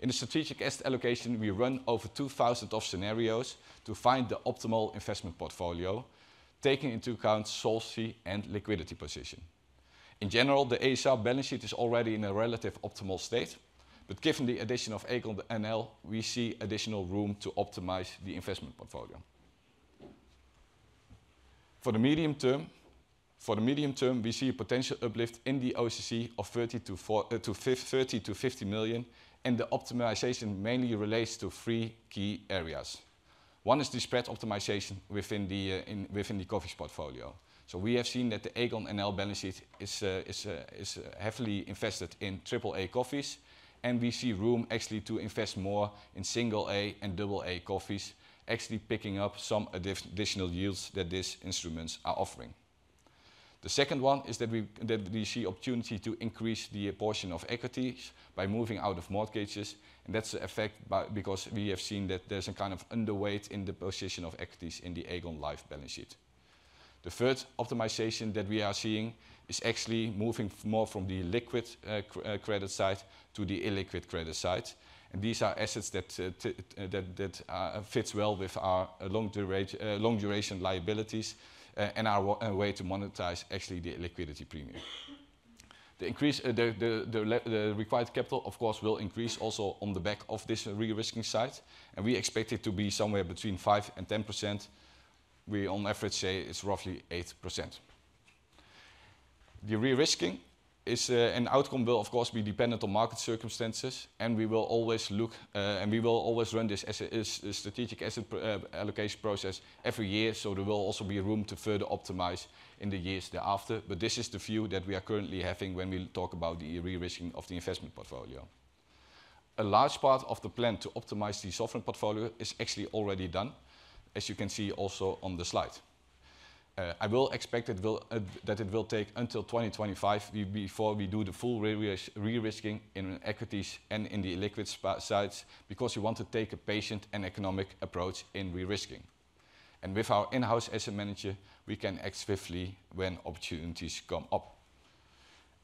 In the strategic asset allocation, we run over 2,000 scenarios to find the optimal investment portfolio, taking into account Solvency and liquidity position. In general, the ASR balance sheet is already in a relative optimal state, but given the addition of Aegon NL, we see additional room to optimize the investment portfolio. For the medium term, for the medium term, we see a potential uplift in the OCC of 30 million-50 million, and the optimization mainly relates to three key areas. One is the spread optimization within the govies portfolio. So we have seen that the Aegon NL balance sheet is heavily invested in triple A govies, and we see room actually to invest more in single A and double A govies, actually picking up some additional yields that these instruments are offering. The second one is that we see opportunity to increase the portion of equities by moving out of mortgages, and that's the effect because we have seen that there's a kind of underweight in the position of equities in the Aegon Life balance sheet. The third optimization that we are seeing is actually moving more from the liquid, credit side to the illiquid credit side, and these are assets that, that fit well with our long duration liabilities, and our way to monetize actually the liquidity premium. The increase, the required capital, of course, will increase also on the back of this de-risking side, and we expect it to be somewhere between 5% and 10%. We on average say it's roughly 8%. The de-risking is, an outcome will, of course, be dependent on market circumstances, and we will always look, and we will always run this as a, as a strategic asset, allocation process every year, so there will also be room to further optimize in the years thereafter. This is the view that we are currently having when we talk about the de-risking of the investment portfolio. A large part of the plan to optimize the sovereign portfolio is actually already done, as you can see also on the slide. I will expect it will, that it will take until 2025 before we do the full de-risking in equities and in the illiquid sides, because we want to take a patient and economic approach in de-risking. With our in-house asset manager, we can act swiftly when opportunities come up.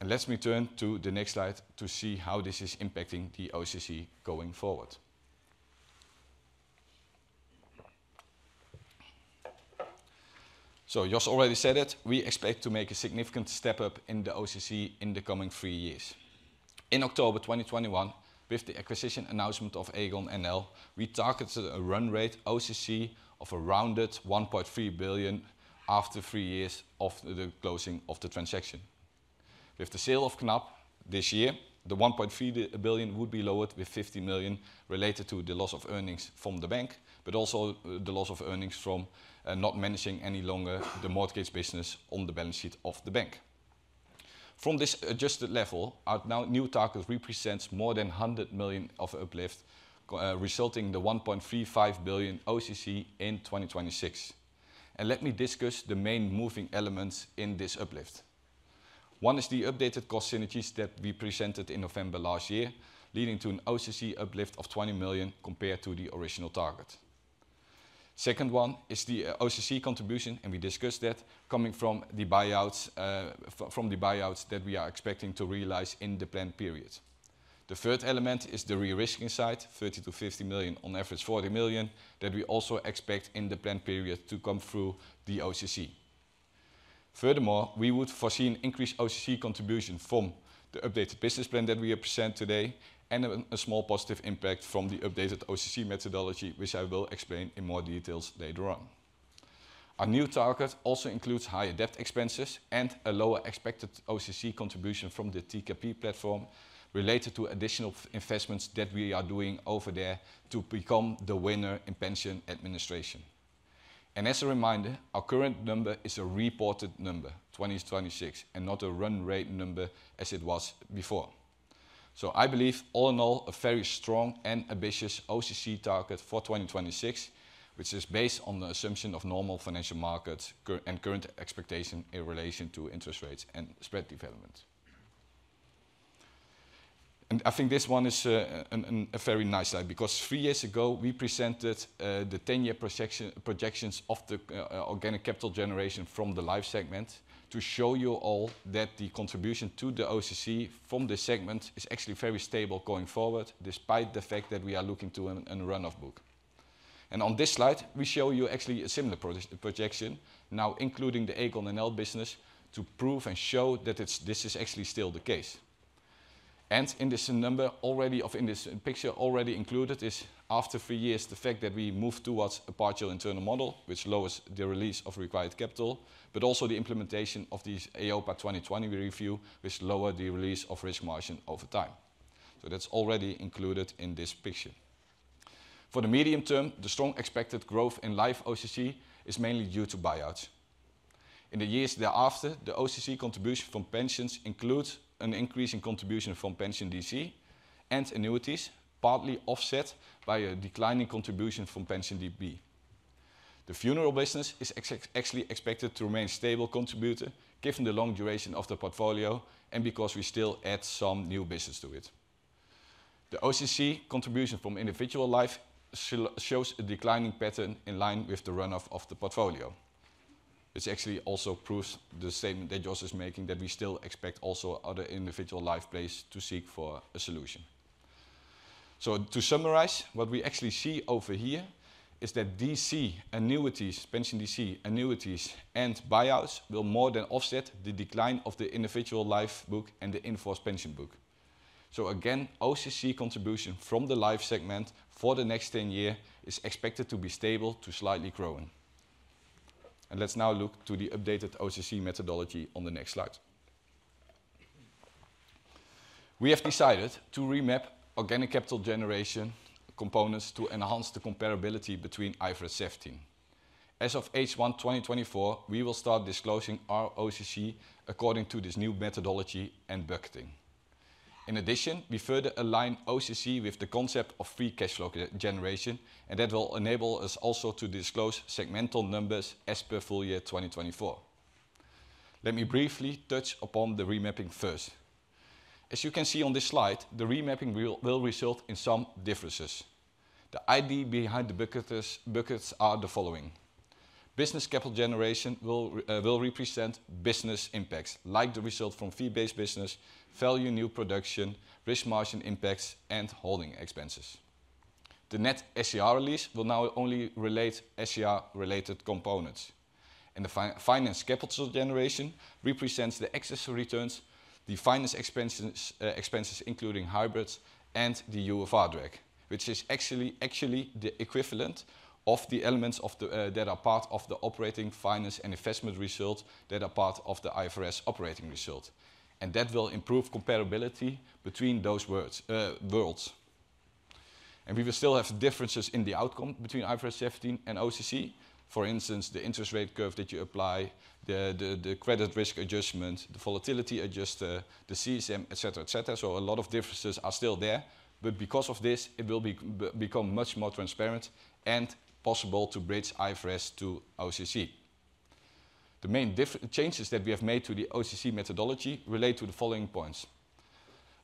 Let me turn to the next slide to see how this is impacting the OCC going forward. Jos already said it, we expect to make a significant step up in the OCC in the coming 3 years. In October 2021, with the acquisition announcement of Aegon NL, we targeted a run rate OCC of around 1.3 billion after 3 years of the closing of the transaction. With the sale of Knab this year, the 1.3 billion would be lowered with 50 million related to the loss of earnings from the bank, but also the loss of earnings from not managing any longer the mortgage business on the balance sheet of the bank. From this adjusted level, our now new target represents more than 100 million of uplift, resulting in the 1.35 billion OCC in 2026. And let me discuss the main moving elements in this uplift. One is the updated cost synergies that we presented in November last year, leading to an OCC uplift of 20 million compared to the original target. Second one is the OCC contribution, and we discussed that, coming from the buyouts that we are expecting to realize in the planned period. The third element is the de-risking side, 30 million to 50 million, on average 40 million, that we also expect in the planned period to come through the OCC. Furthermore, we would foresee an increased OCC contribution from the updated business plan that we have presented today, and a small positive impact from the updated OCC methodology, which I will explain in more details later on. Our new target also includes higher debt expenses and a lower expected OCC contribution from the TKP platform related to additional investments that we are doing over there to become the winner in pension administration. As a reminder, our current number is a reported number, 2026, and not a run rate number as it was before. I believe, all in all, a very strong and ambitious OCC target for 2026, which is based on the assumption of normal financial markets and current expectation in relation to interest rates and spread development. I think this one is a very nice slide because three years ago we presented the 10-year projections of the organic capital generation from the life segment to show you all that the contribution to the OCC from this segment is actually very stable going forward, despite the fact that we are looking to a run-off book.... On this slide, we show you actually a similar projection, now including the Aegon NL business, to prove and show that it's, this is actually still the case. In this picture, already included, is after three years, the fact that we move towards a partial internal model, which lowers the release of required capital, but also the implementation of these Solvency II 2020 review, which lower the release of risk margin over time. That's already included in this picture. For the medium term, the strong expected growth in life OCC is mainly due to buyouts. In the years thereafter, the OCC contribution from pensions includes an increase in contribution from pension DC and annuities, partly offset by a declining contribution from pension DB. The funeral business is actually expected to remain stable contributor, given the long duration of the portfolio and because we still add some new business to it. The OCC contribution from individual life shows a declining pattern in line with the run-off of the portfolio, which actually also proves the same that Jos is making, that we still expect also other individual life players to seek for a solution. So to summarize, what we actually see over here is that DC annuities, pension DC annuities, and buyouts will more than offset the decline of the individual life book and the in-force pension book. So again, OCC contribution from the life segment for the next 10 years is expected to be stable to slightly growing. And let's now look to the updated OCC methodology on the next slide. We have decided to remap organic capital generation components to enhance the comparability between IFRS 17. As of H1 2024, we will start disclosing our OCC according to this new methodology and bucketing. In addition, we further align OCC with the concept of free cash flow generation, and that will enable us also to disclose segmental numbers as per full year 2024. Let me briefly touch upon the remapping first. As you can see on this slide, the remapping will result in some differences. The idea behind the buckets are the following: business capital generation will represent business impacts, like the result from fee-based business, value new production, risk margin impacts, and holding expenses. The net SCR release will now only relate SCR-related components. The finance capital generation represents the excess returns, the finance expenses, expenses, including hybrids, and the UFR drag, which is actually the equivalent of the elements of the, that are part of the operating finance and investment result, that are part of the IFRS operating result. And that will improve comparability between those worlds. And we will still have differences in the outcome between IFRS 17 and OCC. For instance, the interest rate curve that you apply, the credit risk adjustment, the volatility adjustment, the CSM, et cetera, et cetera. So a lot of differences are still there, but because of this, it will become much more transparent and possible to bridge IFRS to OCC. The main changes that we have made to the OCC methodology relate to the following points.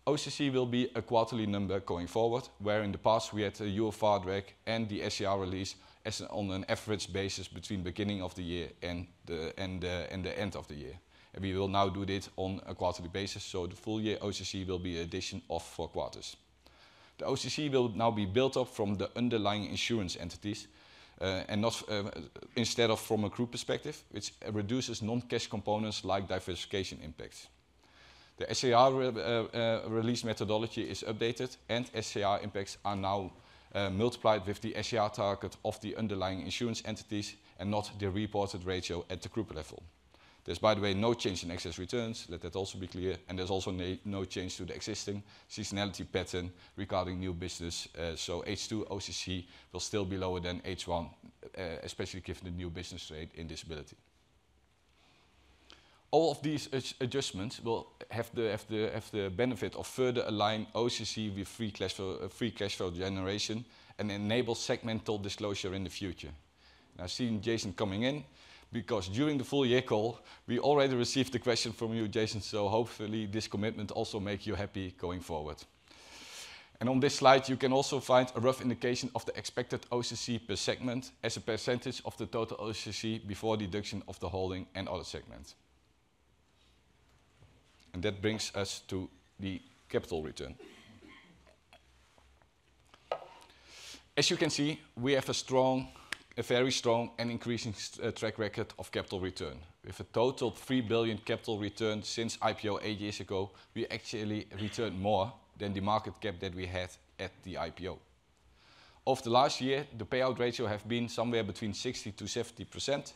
OCC will be a quarterly number going forward, where in the past we had a UFR drag and the SCR release as on an average basis between beginning of the year and the end of the year. We will now do that on a quarterly basis, so the full year OCC will be addition of four quarters. The OCC will now be built up from the underlying insurance entities, and not, instead of from a group perspective, which reduces non-cash components like diversification impacts. The SCR release methodology is updated, and SCR impacts are now multiplied with the SCR target of the underlying insurance entities and not the reported ratio at the group level. There's, by the way, no change in excess returns, let that also be clear, and there's also no, no change to the existing seasonality pattern regarding new business. So H2 OCC will still be lower than H1, especially given the new business rate in disability. All of these adjustments will have the benefit of further align OCC with free cash flow, free cash flow generation and enable segmental disclosure in the future. I've seen Jason coming in, because during the full year call, we already received a question from you, Jason, so hopefully this commitment also make you happy going forward. And on this slide, you can also find a rough indication of the expected OCC per segment as a percentage of the total OCC before deduction of the holding and other segments. That brings us to the capital return. As you can see, we have a strong, a very strong and increasing track record of capital return. With a total of 3 billion capital return since IPO eight years ago, we actually returned more than the market cap that we had at the IPO. Over the last year, the payout ratio have been somewhere between 60%-70%,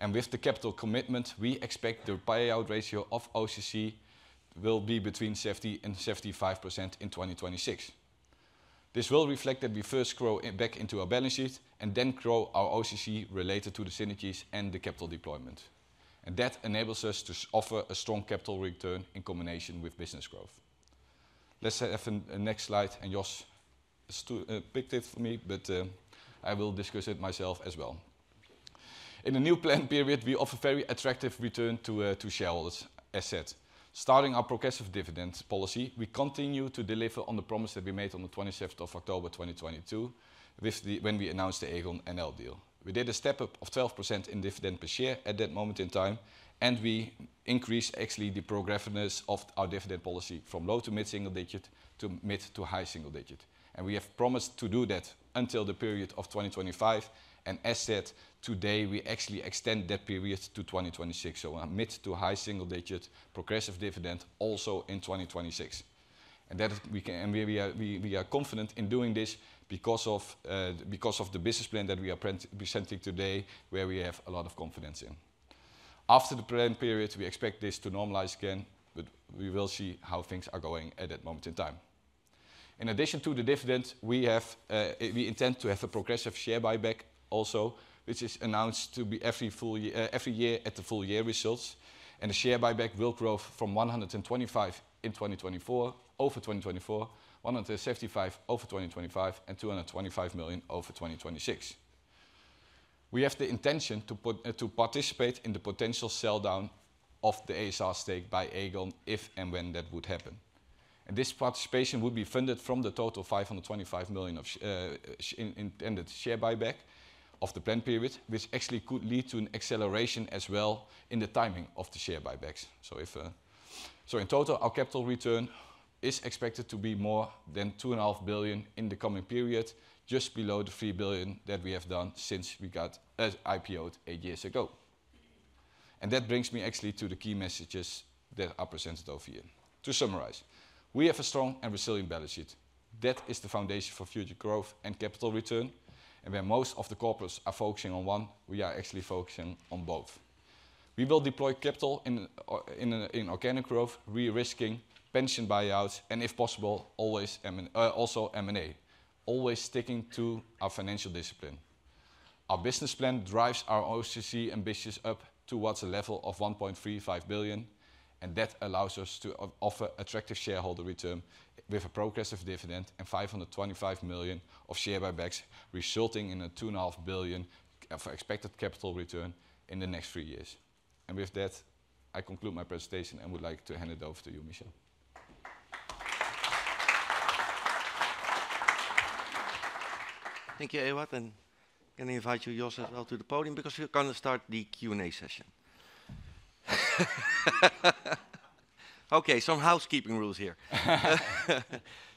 and with the capital commitment, we expect the payout ratio of OCC will be between 70%-75% in 2026. This will reflect that we first grow back into our balance sheet and then grow our OCC related to the synergies and the capital deployment. And that enables us to offer a strong capital return in combination with business growth. Let's have a next slide, and Jos picked it for me, but I will discuss it myself as well. In the new plan period, we offer very attractive return to shareholders, as said. Starting our progressive dividend policy, we continue to deliver on the promise that we made on the 25th of October, 2022, with the—when we announced the Aegon NL deal. We did a step-up of 12% in dividend per share at that moment in time, and we increased actually the progressiveness of our dividend policy from low to mid-single digit, to mid to high single digit. And we have promised to do that until the period of 2025, and as said, today, we actually extend that period to 2026. So a mid to high single digit progressive dividend also in 2026.... and that we are confident in doing this because of the business plan that we are presenting today, where we have a lot of confidence in. After the plan period, we expect this to normalize again, but we will see how things are going at that moment in time. In addition to the dividend, we intend to have a progressive share buyback also, which is announced every year at the full year results. And the share buyback will grow from 125 million over 2024, 175 million over 2025, and 225 million over 2026. We have the intention to participate in the potential sell-down of the ASR stake by Aegon, if and when that would happen. And this participation will be funded from the total 525 million of intended share buyback of the planned period, which actually could lead to an acceleration as well in the timing of the share buybacks. So in total, our capital return is expected to be more than 2.5 billion in the coming period, just below the 3 billion that we have done since we got IPO'd eight years ago. And that brings me actually to the key messages that are presented over here. To summarize, we have a strong and resilient balance sheet. That is the foundation for future growth and capital return, and where most of the corporates are focusing on one, we are actually focusing on both. We will deploy capital in organic growth, re-risking, pension buyouts, and if possible, always also M&A, always sticking to our financial discipline. Our business plan drives our OCC ambitions up towards a level of 1.35 billion, and that allows us to offer attractive shareholder return with a progressive dividend and 525 million of share buybacks, resulting in 2.5 billion of expected capital return in the next three years. With that, I conclude my presentation and would like to hand it over to you, Michel. Thank you, Ewout, and can I invite you, Jos, as well, to the podium, because we're going to start the Q&A session. Okay, some housekeeping rules here.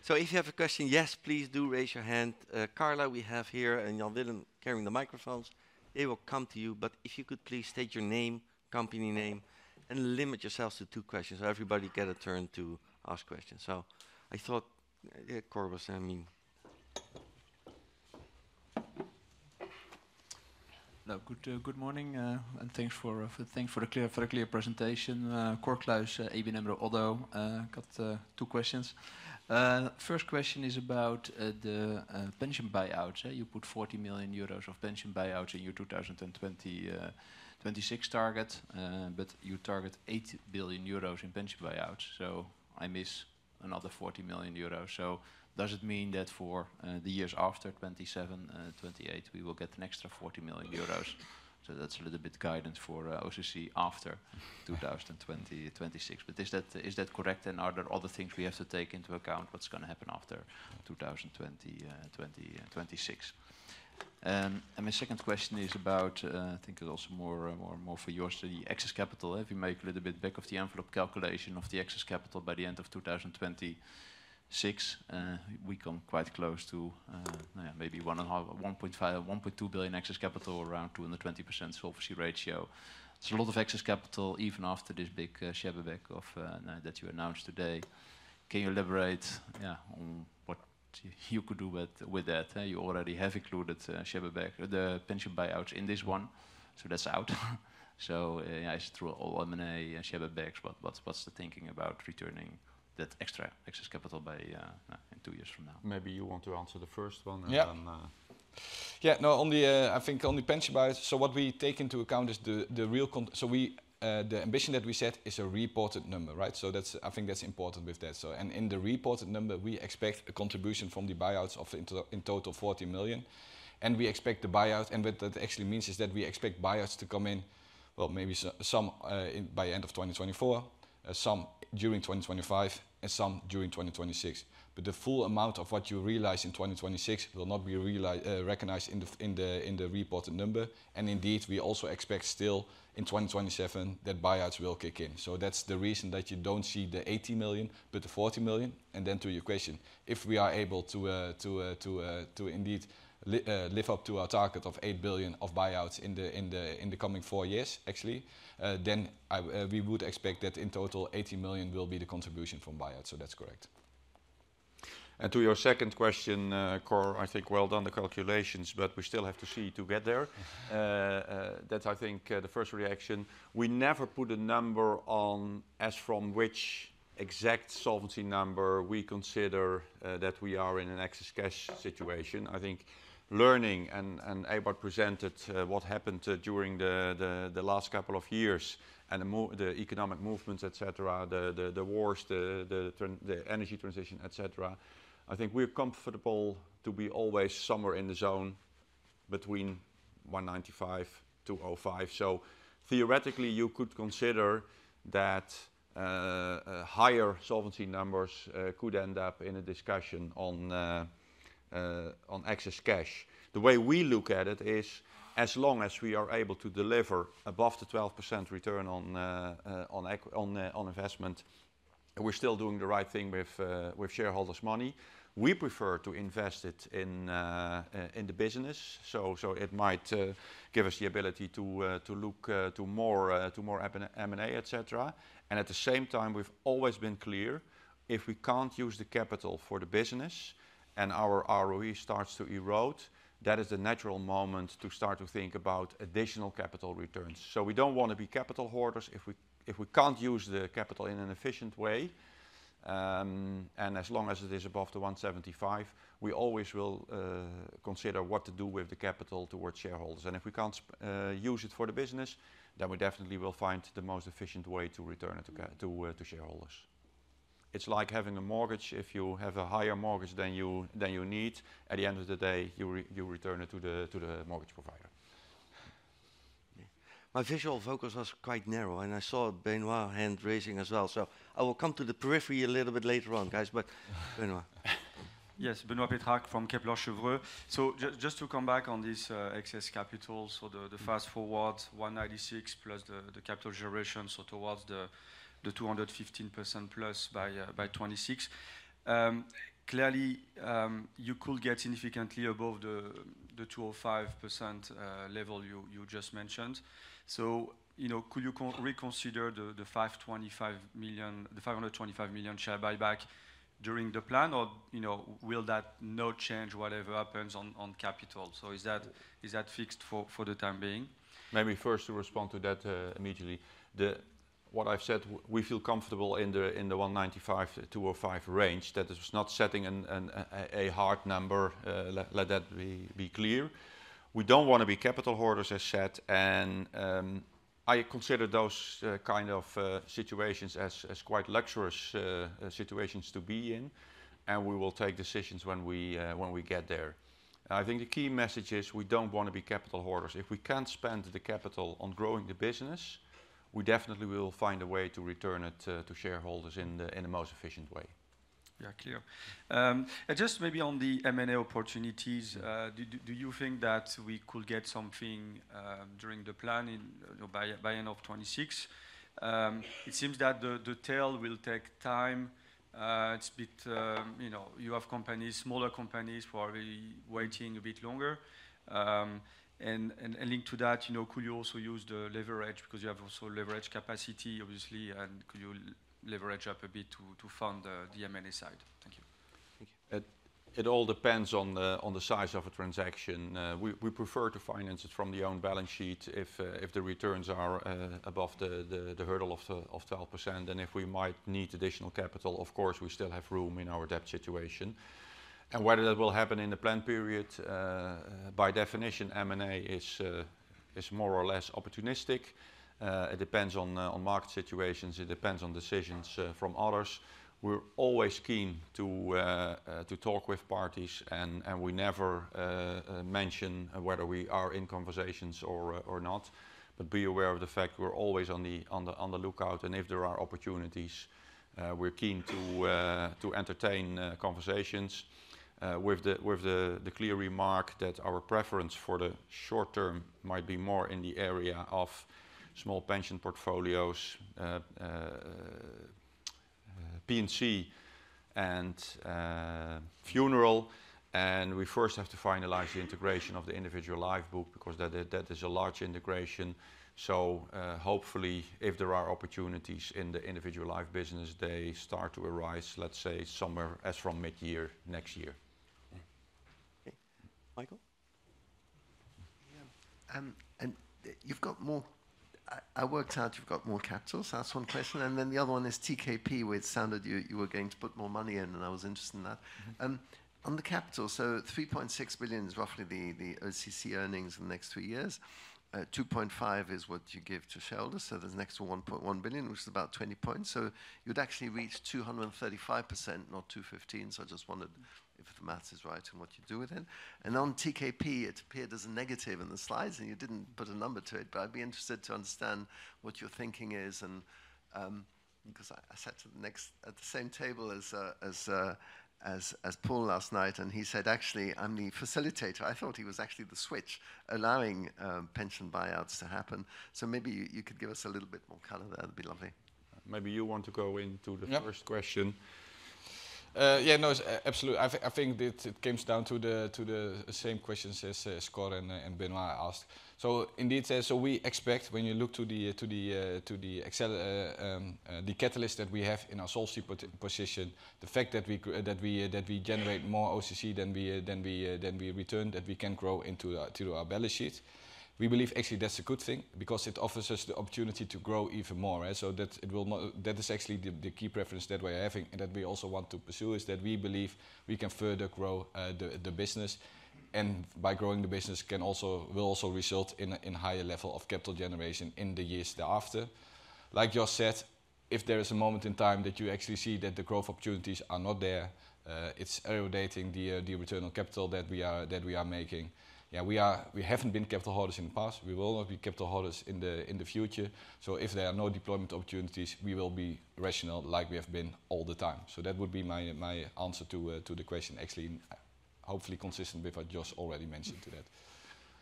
So if you have a question, yes, please do raise your hand. Carla, we have here, and Jan Willem carrying the microphones, they will come to you. But if you could please state your name, company name, and limit yourselves to two questions, so everybody get a turn to ask questions. So I thought, yeah, Cor was, I mean- Now, good morning, and thanks for the clear presentation. Cor Kluis, ABN AMRO Oddo. Got two questions. First question is about the pension buyouts. You put 40 million euros of pension buyouts in your 2026 target, but you target 80 billion euros in pension buyouts, so I miss another 40 million euros. So does it mean that for the years after 2027, 2028, we will get an extra 40 million euros? So that's a little bit guidance for OCC after 2026. But is that correct, and are there other things we have to take into account what's going to happen after 2026? My second question is about, I think it's also more for Jos, the excess capital. If you make a little bit back-of-the-envelope calculation of the excess capital by the end of 2026, we come quite close to, maybe 1.5 billion, 1.5 billion, 1.2 billion excess capital, around 220% solvency ratio. It's a lot of excess capital, even after this big share buyback that you announced today. Can you elaborate on what you could do with that? You already have included share buyback, the pension buyouts in this one, so that's out. So, just through all M&A and share buybacks, what's the thinking about returning that extra excess capital by in two years from now? Maybe you want to answer the first one, and then, Yeah. Yeah, no, on the, I think on the pension buyouts, so what we take into account is so we, the ambition that we set is a reported number, right? So that's I think that's important with that. So, and in the reported number, we expect a contribution from the buyouts of in total 40 million, and we expect the buyouts, and what that actually means is that we expect buyouts to come in, well, maybe some, by end of 2024, some during 2025, and some during 2026. But the full amount of what you realize in 2026 will not be recognized in the in the reported number. And indeed, we also expect still, in 2027, that buyouts will kick in. So that's the reason that you don't see the 80 million, but the 40 million. And then to your question, if we are able to, to indeed live up to our target of 8 billion of buyouts in the, in the, in the coming four years, actually, then I, we would expect that in total, 80 million will be the contribution from buyouts, so that's correct. And to your second question, Cor, I think well done, the calculations, but we still have to see to get there. That's I think, the first reaction. We never put a number on as from which exact solvency number we consider, that we are in an excess cash situation. I think learning, and Ewout presented what happened during the last couple of years and the economic movements, et cetera, the wars, the energy transition, et cetera. I think we're comfortable to be always somewhere in the zone between 195-205. So theoretically, you could consider that higher solvency numbers could end up in a discussion on excess cash. The way we look at it is, as long as we are able to deliver above the 12% return on investment-... We're still doing the right thing with shareholders' money. We prefer to invest it in the business, so it might give us the ability to look to more M&A, et cetera. And at the same time, we've always been clear, if we can't use the capital for the business and our ROE starts to erode, that is the natural moment to start to think about additional capital returns. So we don't want to be capital hoarders. If we can't use the capital in an efficient way, and as long as it is above 175, we always will consider what to do with the capital towards shareholders. And if we can't use it for the business, then we definitely will find the most efficient way to return it to shareholders. It's like having a mortgage. If you have a higher mortgage than you need, at the end of the day, you return it to the mortgage provider. My visual focus was quite narrow, and I saw Benoit hand-raising as well, so I will come to the periphery a little bit later on, guys. But Benoit. Yes, Benoit Petrarque from Kepler Cheuvreux. So just to come back on this, excess capital, so the fast-forward 196 plus the capital generation, so towards the 215% plus by 2026. Clearly, you could get significantly above the 205% level you just mentioned. So, you know, could you reconsider the 525 million share buyback during the plan? Or, you know, will that not change whatever happens on capital? So is that fixed for the time being? Let me first respond to that, immediately. What I've said, we feel comfortable in the 195-205 range. That is not setting a hard number, let that be clear. We don't want to be capital hoarders, as I said, and I consider those kind of situations as quite luxurious situations to be in, and we will take decisions when we get there. I think the key message is we don't want to be capital hoarders. If we can't spend the capital on growing the business, we definitely will find a way to return it to shareholders in the most efficient way. Yeah, clear. And just maybe on the M&A opportunities, do you think that we could get something during the plan in by end of 2026? It seems that the tail will take time. It's bit... You know, you have companies, smaller companies, who are really waiting a bit longer. And linked to that, you know, could you also use the leverage? Because you have also leverage capacity, obviously. And could you leverage up a bit to fund the M&A side? Thank you. Thank you. It all depends on the size of a transaction. We prefer to finance it from our own balance sheet, if the returns are above the hurdle of 12%. And if we might need additional capital, of course, we still have room in our debt situation. And whether that will happen in the planned period, by definition, M&A is more or less opportunistic. It depends on market situations, it depends on decisions from others. We're always keen to talk with parties, and we never mention whether we are in conversations or not. But be aware of the fact we're always on the lookout, and if there are opportunities, we're keen to entertain conversations with the clear remark that our preference for the short term might be more in the area of small pension portfolios, P&C and funeral. And we first have to finalize the integration of the individual life book, because that is a large integration. So, hopefully, if there are opportunities in the individual life business, they start to arise, let's say, somewhere as from mid-year next year. Okay. Michael? And you've got more... I worked out, you've got more capital, so that's one question. And then the other one is TKP, where it sounded you were going to put more money in, and I was interested in that. Mm-hmm. On the capital, so 3.6 billion is roughly the OCC earnings in the next two years. Two point five is what you give to shareholders, so there's an extra 1.1 billion, which is about 20 points. So you'd actually reach 235%, not 215. So I just wondered if the math is right and what you'd do with it. And on TKP, it appeared as a negative in the slides, and you didn't put a number to it, but I'd be interested to understand what your thinking is and, because I sat at the same table as Paul last night, and he said, "Actually, I'm the facilitator." I thought he was actually the switch, allowing pension buyouts to happen. Maybe you could give us a little bit more color there. That'd be lovely. Maybe you want to go into the- Yep... first question. Yeah, no, absolutely. I think, I think that it comes down to the, to the same questions as, Scott and, and Benoit asked. So indeed, so we expect when you look to the, to the, to the catalyst that we have in our solvency position, the fact that we generate more OCC than we return, that we can grow into our, to our balance sheet. We believe actually that's a good thing because it offers us the opportunity to grow even more, right? So that it will not. That is actually the, the key preference that we're having and that we also want to pursue, is that we believe we can further grow, the, the business. By growing the business, can also, will also result in a, in a higher level of capital generation in the years thereafter. Like Jos said, if there is a moment in time that you actually see that the growth opportunities are not there, it's eroding the, the return on capital that we are making. Yeah, we are. We haven't been capital hoarders in the past. We will not be capital hoarders in the future. So if there are no deployment opportunities, we will be rational like we have been all the time. So that would be my answer to the question, actually, hopefully consistent with what Jos already mentioned to that....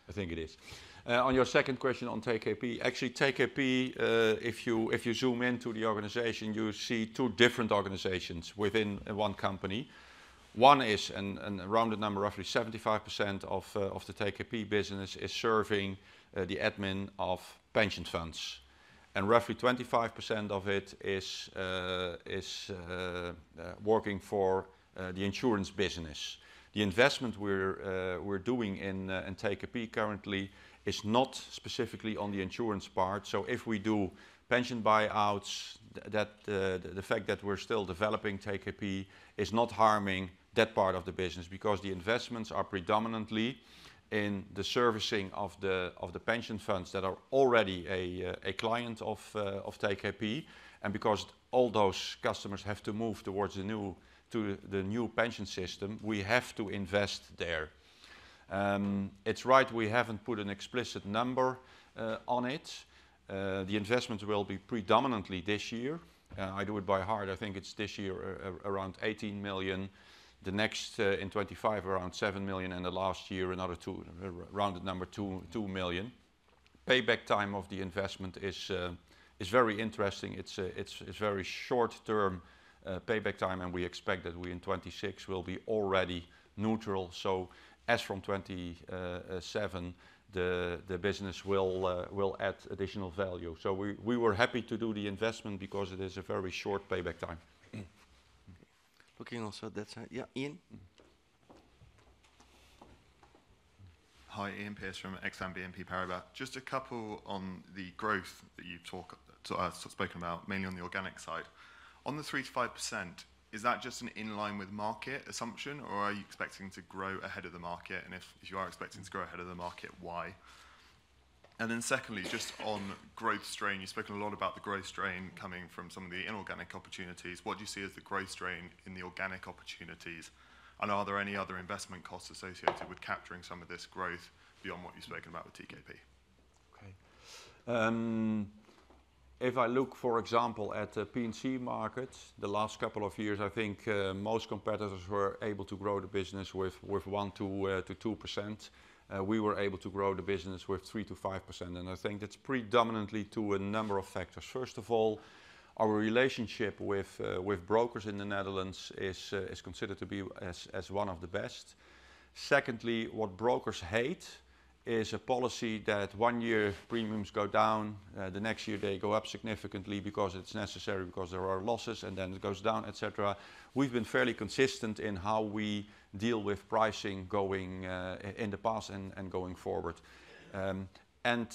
I think it is. On your second question on TKP, actually, TKP, if you, if you zoom into the organization, you see two different organizations within one company. One is a rounded number, roughly 75% of the TKP business is serving the admin of pension funds, and roughly 25% of it is working for the insurance business. The investment we're doing in TKP currently is not specifically on the insurance part. So if we do pension buyouts, that the fact that we're still developing TKP is not harming that part of the business because the investments are predominantly in the servicing of the pension funds that are already a client of TKP, and because all those customers have to move towards the new to the new pension system, we have to invest there. It's right, we haven't put an explicit number on it. The investment will be predominantly this year. I do it by heart. I think it's this year, around 18 million. The next, in 2025, around 7 million, and the last year, another two, rounded number, two million. Payback time of the investment is very interesting. It's very short-term payback time, and we expect that we in 2026 will be already neutral. So as from 2027, the business will add additional value. So we were happy to do the investment because it is a very short payback time. Looking also at that side. Yeah, Ian? Hi, Iain Pearce from BNP Paribas Exane. Just a couple on the growth that you've talk, sort of spoken about, mainly on the organic side. On the 3%-5%, is that just in line with market assumption, or are you expecting to grow ahead of the market? And if, if you are expecting to grow ahead of the market, why? And then secondly, just on growth strain, you've spoken a lot about the growth strain coming from some of the inorganic opportunities. What do you see as the growth strain in the organic opportunities, and are there any other investment costs associated with capturing some of this growth beyond what you've spoken about with TKP? Okay. If I look, for example, at the P&C markets, the last couple of years, I think, most competitors were able to grow the business with one to two percent. We were able to grow the business with three to five percent, and I think that's predominantly to a number of factors. First of all, our relationship with brokers in the Netherlands is considered to be as one of the best. Secondly, what brokers hate is a policy that one year premiums go down, the next year, they go up significantly because it's necessary, because there are losses, and then it goes down, et cetera. We've been fairly consistent in how we deal with pricing going in the past and going forward. And,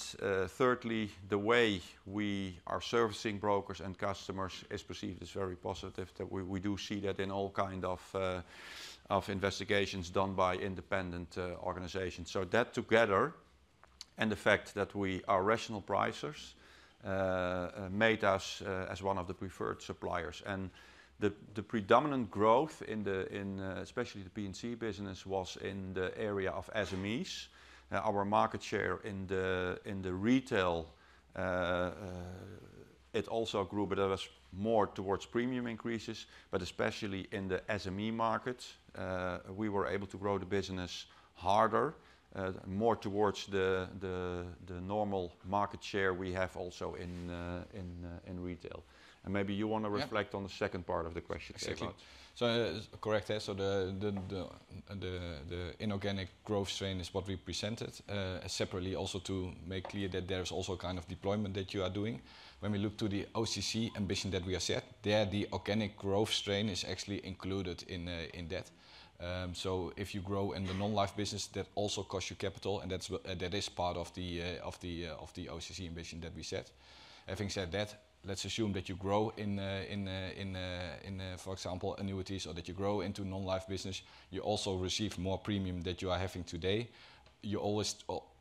thirdly, the way we are servicing brokers and customers is perceived as very positive, that we do see that in all kind of investigations done by independent organizations. So that together, and the fact that we are rational pricers, made us as one of the preferred suppliers. And the predominant growth in the, especially the P&C business, was in the area of SMEs. Our market share in the retail, it also grew, but that was more towards premium increases. But especially in the SME markets, we were able to grow the business harder, more towards the normal market share we have also in retail. And maybe you want to reflect- Yeah... on the second part of the question about- Thank you. So, correct, yeah. So the inorganic growth strain is what we presented. Separately, also to make clear that there is also a kind of deployment that you are doing. When we look to the OCC ambition that we have set, the organic growth strain is actually included in that. So if you grow in the non-life business, that also costs you capital, and that is part of the OCC ambition that we set. Having said that, let's assume that you grow in, for example, annuities, or that you grow into non-life business, you also receive more premium that you are having today. You always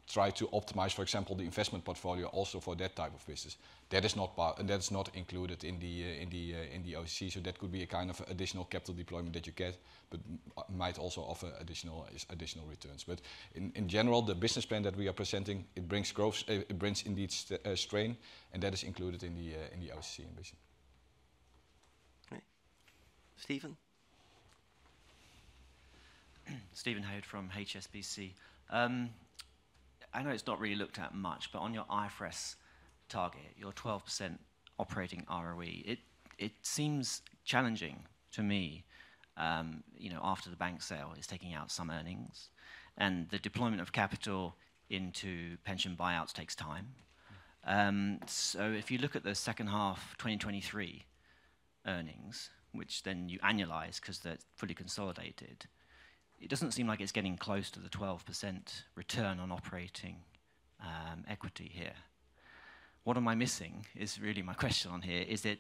try to optimize, for example, the investment portfolio also for that type of business. That's not included in the OCC, so that could be a kind of additional capital deployment that you get, but might also offer additional returns. But in general, the business plan that we are presenting, it brings growth, it brings indeed strain, and that is included in the OCC ambition. Okay. Steven? Steven Haywood from HSBC. I know it's not really looked at much, but on your IFRS target, your 12% operating ROE, it seems challenging to me. You know, after the bank sale, it's taking out some earnings, and the deployment of capital into pension buyouts takes time. So if you look at the second half of 2023 earnings, which then you annualize 'cause they're fully consolidated, it doesn't seem like it's getting close to the 12% return on operating equity here. What am I missing? Is really my question on here: Is there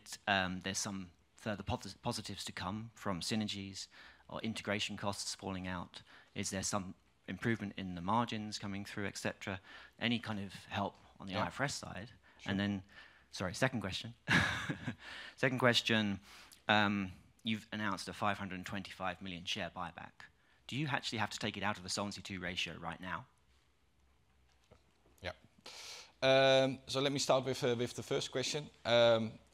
some further positives to come from synergies or integration costs falling out? Is there some improvement in the margins coming through, et cetera? Any kind of help on the IFRS side- Yeah. And then... Sorry, second question. Second question, you've announced a 525 million share buyback. Do you actually have to take it out of the Solvency II ratio right now? ... Yeah. So let me start with the first question.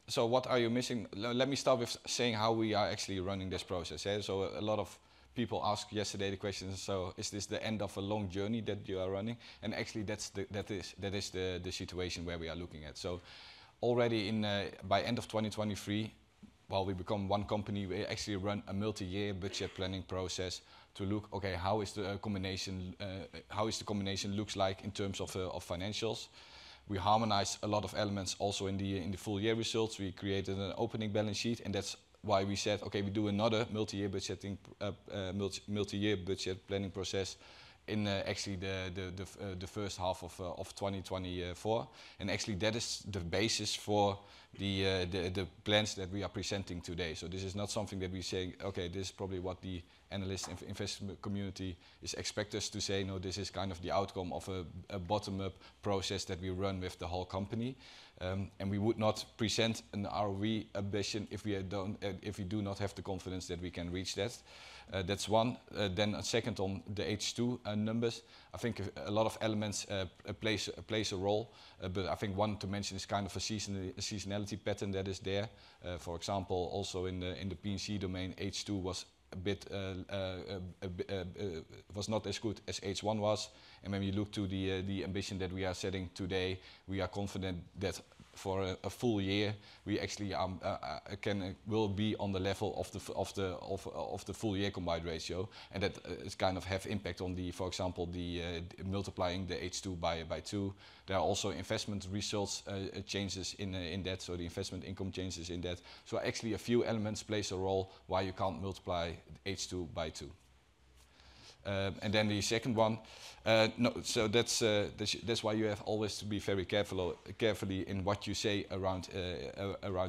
So what are you missing? Let me start with saying how we are actually running this process, yeah? So a lot of people asked yesterday the question: "So is this the end of a long journey that you are running?" And actually, that's the, that is, that is the situation where we are looking at. So already in, by end of 2023, while we become one company, we actually run a multi-year budget planning process to look, okay, how is the combination, how is the combination looks like in terms of of financials? We harmonize a lot of elements also in the full year results. We created an opening balance sheet, and that's why we said, "Okay, we do another multi-year budgeting, actually, the first half of 2024." And actually, that is the basis for the plans that we are presenting today. So this is not something that we say, "Okay, this is probably what the analyst and investment community is expect us to say." No, this is kind of the outcome of a bottom-up process that we run with the whole company. And we would not present an ROE ambition if we had don't, if we do not have the confidence that we can reach that. That's one. Then second, on the H2 numbers, I think a lot of elements play a role, but I think one to mention is kind of a seasonality pattern that is there. For example, also in the P&C domain, H2 was a bit not as good as H1 was. And when we look to the ambition that we are setting today, we are confident that for a full year, we actually will be on the level of the full year combined ratio, and that is kind of have impact on the, for example, the multiplying the H2 by two. There are also investment results changes in that, so the investment income changes in that. So actually, a few elements play a role why you can't multiply H2 by two. And then the second one, no, so that's why you have always to be very careful in what you say around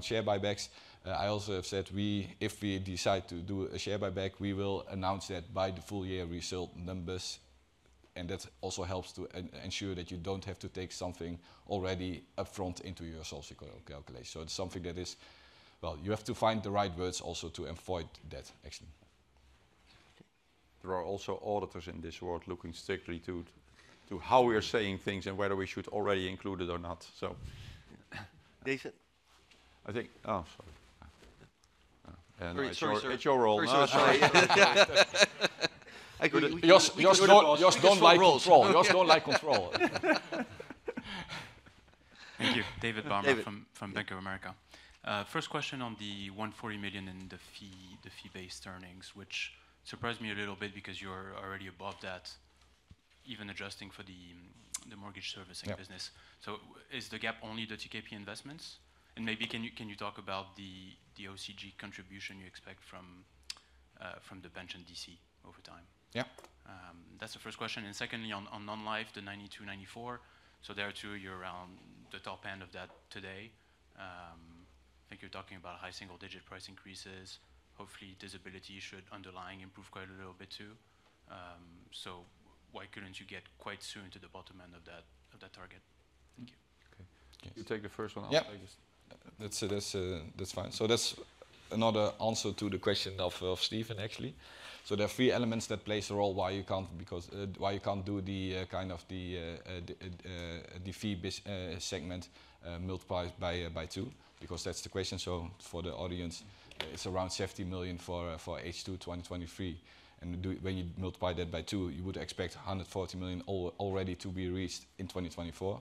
share buybacks. I also have said we, if we decide to do a share buyback, we will announce that by the full year result numbers, and that also helps to ensure that you don't have to take something already upfront into your solvency calculation. So it's something that is... Well, you have to find the right words also to avoid that, actually. There are also auditors in this world looking strictly to how we are saying things and whether we should already include it or not, so. They said- I think... Oh, sorry. Very sorry, sir. It's your role. I could, we could- Jos don't like control. Thank you. David Barma- David... from Bank of America. First question on the 140 million in the fee, the fee-based earnings, which surprised me a little bit because you're already above that, even adjusting for the mortgage servicing- Yeah... business. So is the gap only the TKP investments? And maybe, can you talk about the OCC contribution you expect from the pension DC over time? Yeah. That's the first question. And secondly, on non-life, the 92-94, so there are two, you're around the top end of that today. I think you're talking about high single-digit price increases. Hopefully, disability should underlying improve quite a little bit, too. So why couldn't you get quite soon to the bottom end of that target? Thank you. Okay. Yes. You take the first one, I'll take the- Yeah. That's fine. So that's another answer to the question of Steven, actually. So there are three elements that plays a role why you can't, because why you can't do the kind of the fee-based segment multiplied by two, because that's the question. So for the audience, it's around 70 million for H2 2023, and when you multiply that by two, you would expect 140 million already to be reached in 2024.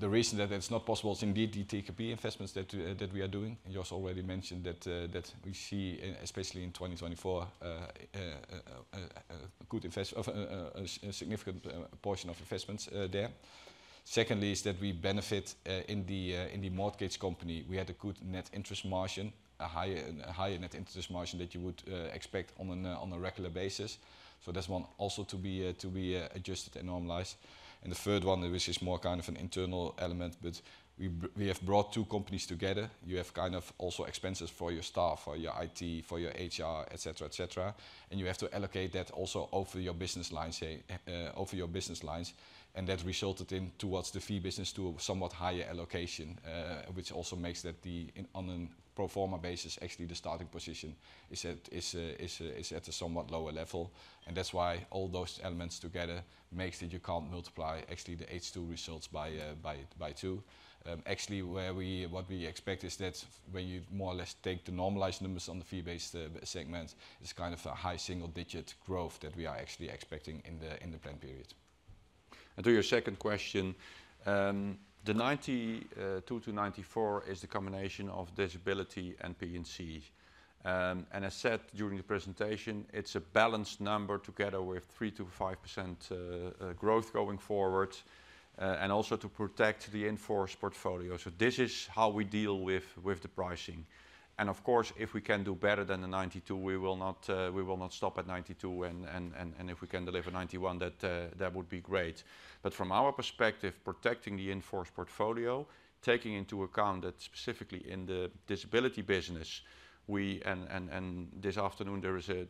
The reason that that's not possible is indeed the TKP investments that we are doing. Jos already mentioned that we see, especially in 2024, a significant portion of investments there. Secondly, is that we benefit in the mortgage company. We had a good net interest margin, a higher, a higher net interest margin than you would expect on a regular basis. So that's one also to be adjusted and normalized. And the third one, which is more kind of an internal element, but we have brought two companies together. You have kind of also expenses for your staff, for your IT, for your HR, et cetera, et cetera, and you have to allocate that also over your business lines, say, over your business lines, and that resulted in towards the fee business to a somewhat higher allocation, which also makes that the, in, on a pro forma basis, actually, the starting position is at, is, is at a somewhat lower level. That's why all those elements together makes that you can't multiply actually the H2 results by 2. Actually, what we expect is that when you more or less take the normalized numbers on the fee-based segment, it's kind of a high single-digit growth that we are actually expecting in the plan period. And to your second question, the 92-94 is the combination of disability and P&C. I said during the presentation, it's a balanced number together with 3%-5% growth going forward, and also to protect the in-force portfolio. So this is how we deal with the pricing. And of course, if we can do better than the 92, we will not stop at 92, and if we can deliver 91, that would be great. But from our perspective, protecting the in-force portfolio, taking into account that specifically in the disability business, we and this afternoon,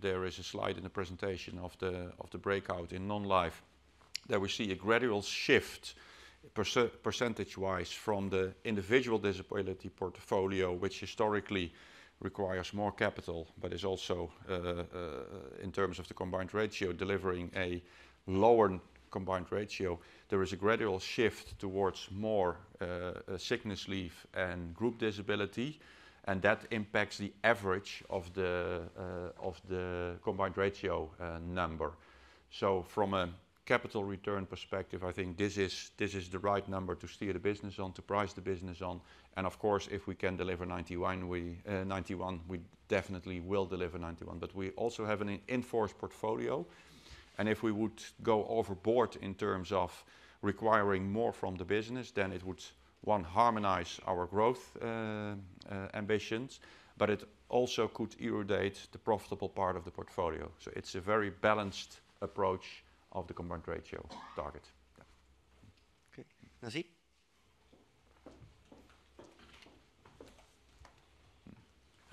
there is a slide in the presentation of the breakout in non-life, that we see a gradual shift- ... percentage-wise from the individual disability portfolio, which historically requires more capital, but is also in terms of the combined ratio, delivering a lower combined ratio. There is a gradual shift towards more sickness leave and group disability, and that impacts the average of the of the combined ratio number. So from a capital return perspective, I think this is, this is the right number to steer the business on, to price the business on. And of course, if we can deliver 91, we 91, we definitely will deliver 91. But we also have an in-force portfolio, and if we would go overboard in terms of requiring more from the business, then it would, one, harmonize our growth ambitions, but it also could erode the profitable part of the portfolio. It's a very balanced approach of the Combined ratio target. Yeah. Okay. Nancy?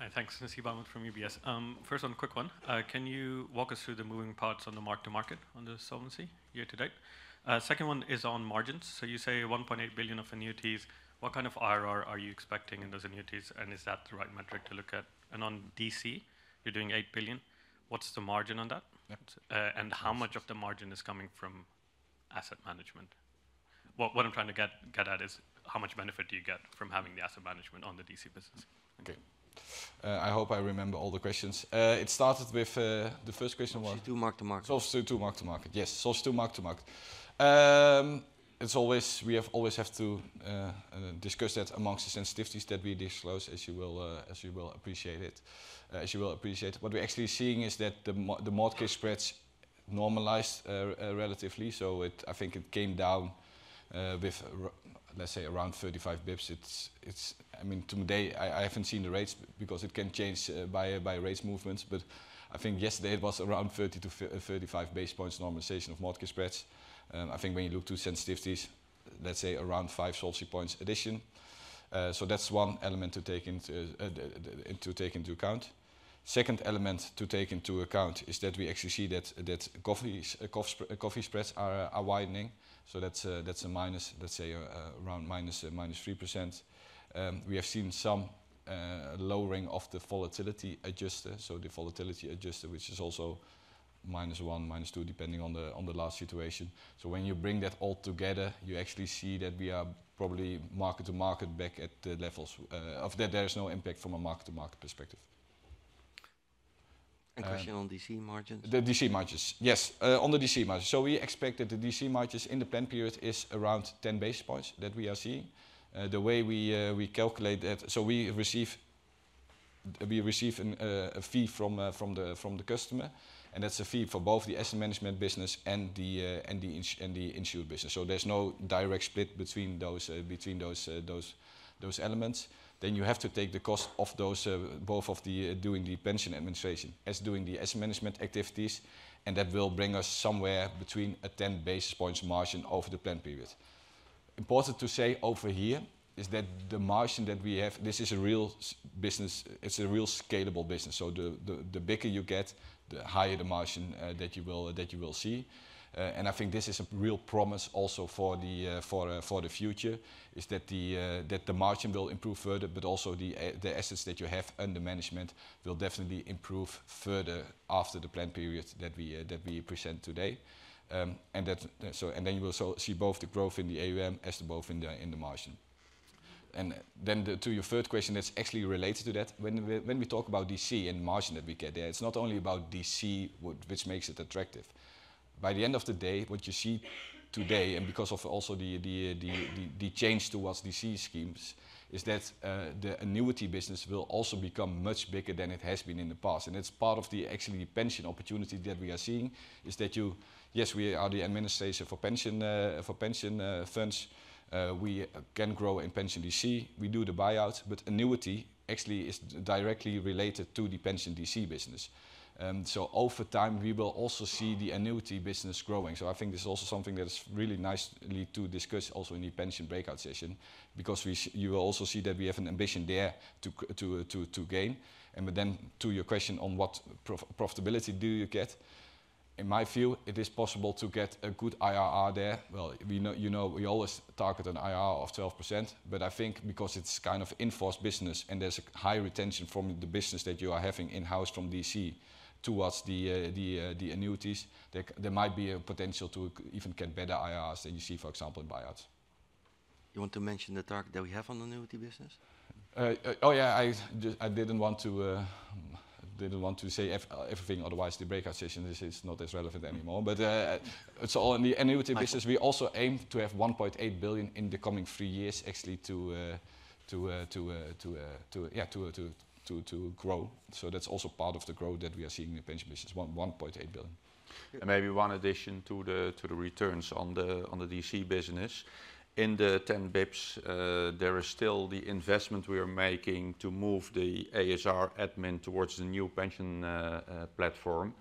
Hi, thanks. Nancy Bowman from UBS. First, one quick one. Can you walk us through the moving parts on the mark-to-market on the solvency year to date? Second one is on margins. So you say 1.8 billion of annuities. What kind of IRR are you expecting in those annuities, and is that the right metric to look at? And on DC, you're doing 8 billion. What's the margin on that? Yeah. How much of the margin is coming from asset management? What I'm trying to get at is how much benefit do you get from having the asset management on the DC business? Okay. I hope I remember all the questions. It started with... The first question was- To do mark-to-market. Also to mark to market. Yes. So to mark to market. As always, we have always have to discuss that amongst the sensitivities that we disclose, as you will appreciate it, as you will appreciate. What we're actually seeing is that the mark-to-market spreads normalized relatively. So it—I think it came down with, let's say around 35 basis points. It's, it's, I mean, today, I haven't seen the rates because it can change by rate movements, but I think yesterday it was around 30 to 35 basis points normalization of mark-to-market spreads. I think when you look to sensitivities, let's say around 5 Solvency points addition. So that's one element to take into account. Second element to take into account is that we actually see that, that credit spreads are, are widening, so that's a, that's a minus, let's say, around -3%. We have seen some lowering of the volatility adjuster. So the volatility adjuster, which is also -1, -2, depending on the, on the last situation. So when you bring that all together, you actually see that we are probably mark-to-market back at the levels of that there is no impact from a mark-to-market perspective. Question on DC margins. The DC margins. Yes, on the DC margins. So we expect that the DC margins in the plan period is around 10 basis points that we are seeing. The way we calculate that, so we receive a fee from the customer, and that's a fee for both the asset management business and the insurance and the insured business. So there's no direct split between those elements. Then you have to take the cost of those both doing the pension administration, as doing the asset management activities, and that will bring us somewhere between a 10 basis points margin over the plan period. Important to say over here is that the margin that we have, this is a real scalable business, it's a real scalable business. So the bigger you get, the higher the margin that you will see. And I think this is a real promise also for the future, is that the margin will improve further, but also the assets that you have under management will definitely improve further after the plan period that we present today. And that, and then you will also see both the growth in the AUM as to both in the margin. And then to your third question, that's actually related to that. When we talk about DC and margin that we get there, it's not only about DC, which makes it attractive. By the end of the day, what you see today, and because of also the change towards DC schemes, is that the annuity business will also become much bigger than it has been in the past. And it's part of the actually pension opportunity that we are seeing, is that yes, we are the administrator for pension funds. We can grow in pension DC, we do the buyouts, but annuity actually is directly related to the pension DC business. So over time, we will also see the annuity business growing. So I think this is also something that is really nice to discuss also in the pension breakout session, because you will also see that we have an ambition there to gain. But then to your question on what profitability do you get, in my view, it is possible to get a good IRR there. Well, we know, you know, we always target an IRR of 12%, but I think because it's kind of in-force business and there's a high retention from the business that you are having in-house from DC towards the annuities, there could be a potential to even get better IRRs than you see, for example, in buyouts. You want to mention the target that we have on annuity business? I didn't want to say everything, otherwise the breakout session is not as relevant anymore. But, so on the annuity business- Michael... we also aim to have 1.8 billion in the coming three years, actually, to grow. So that's also part of the growth that we are seeing in the pension business, 1.8 billion. Maybe one addition to the returns on the DC business. In the 10 basis points, there is still the investment we are making to move the ASR admin towards the new pension platform.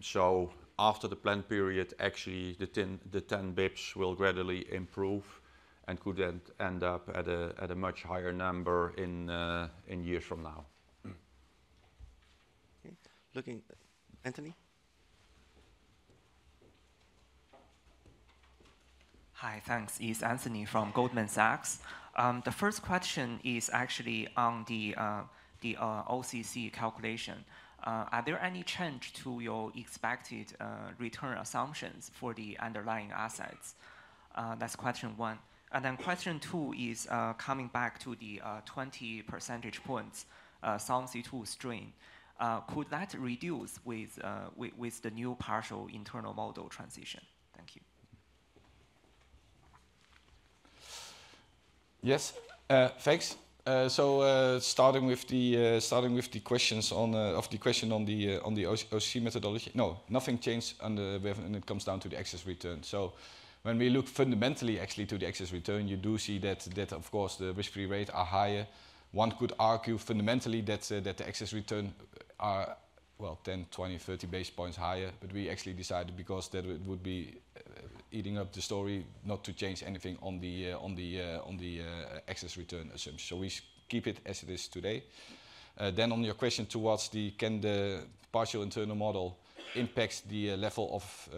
So after the plan period, actually, the 10 basis points will gradually improve and could end up at a much higher number in years from now.... Looking. Anthony? Hi, thanks. It's Anthony from Goldman Sachs. The first question is actually on the OCC calculation. Are there any change to your expected return assumptions for the underlying assets? That's question one. And then question two is coming back to the 20 percentage points Solvency II strain. Could that reduce with the new partial internal model transition? Thank you. Yes, thanks. So, starting with the questions on the OCC methodology. No, nothing changed under the, when it comes down to the excess return. So when we look fundamentally, actually, to the excess return, you do see that, that of course, the risk-free rate are higher. One could argue fundamentally that, that the excess return are, well, 10, 20, 30 basis points higher. But we actually decided, because that would be eating up the story, not to change anything on the excess return assumption. So we keep it as it is today. Then on your question towards the, can the partial internal model impact the level of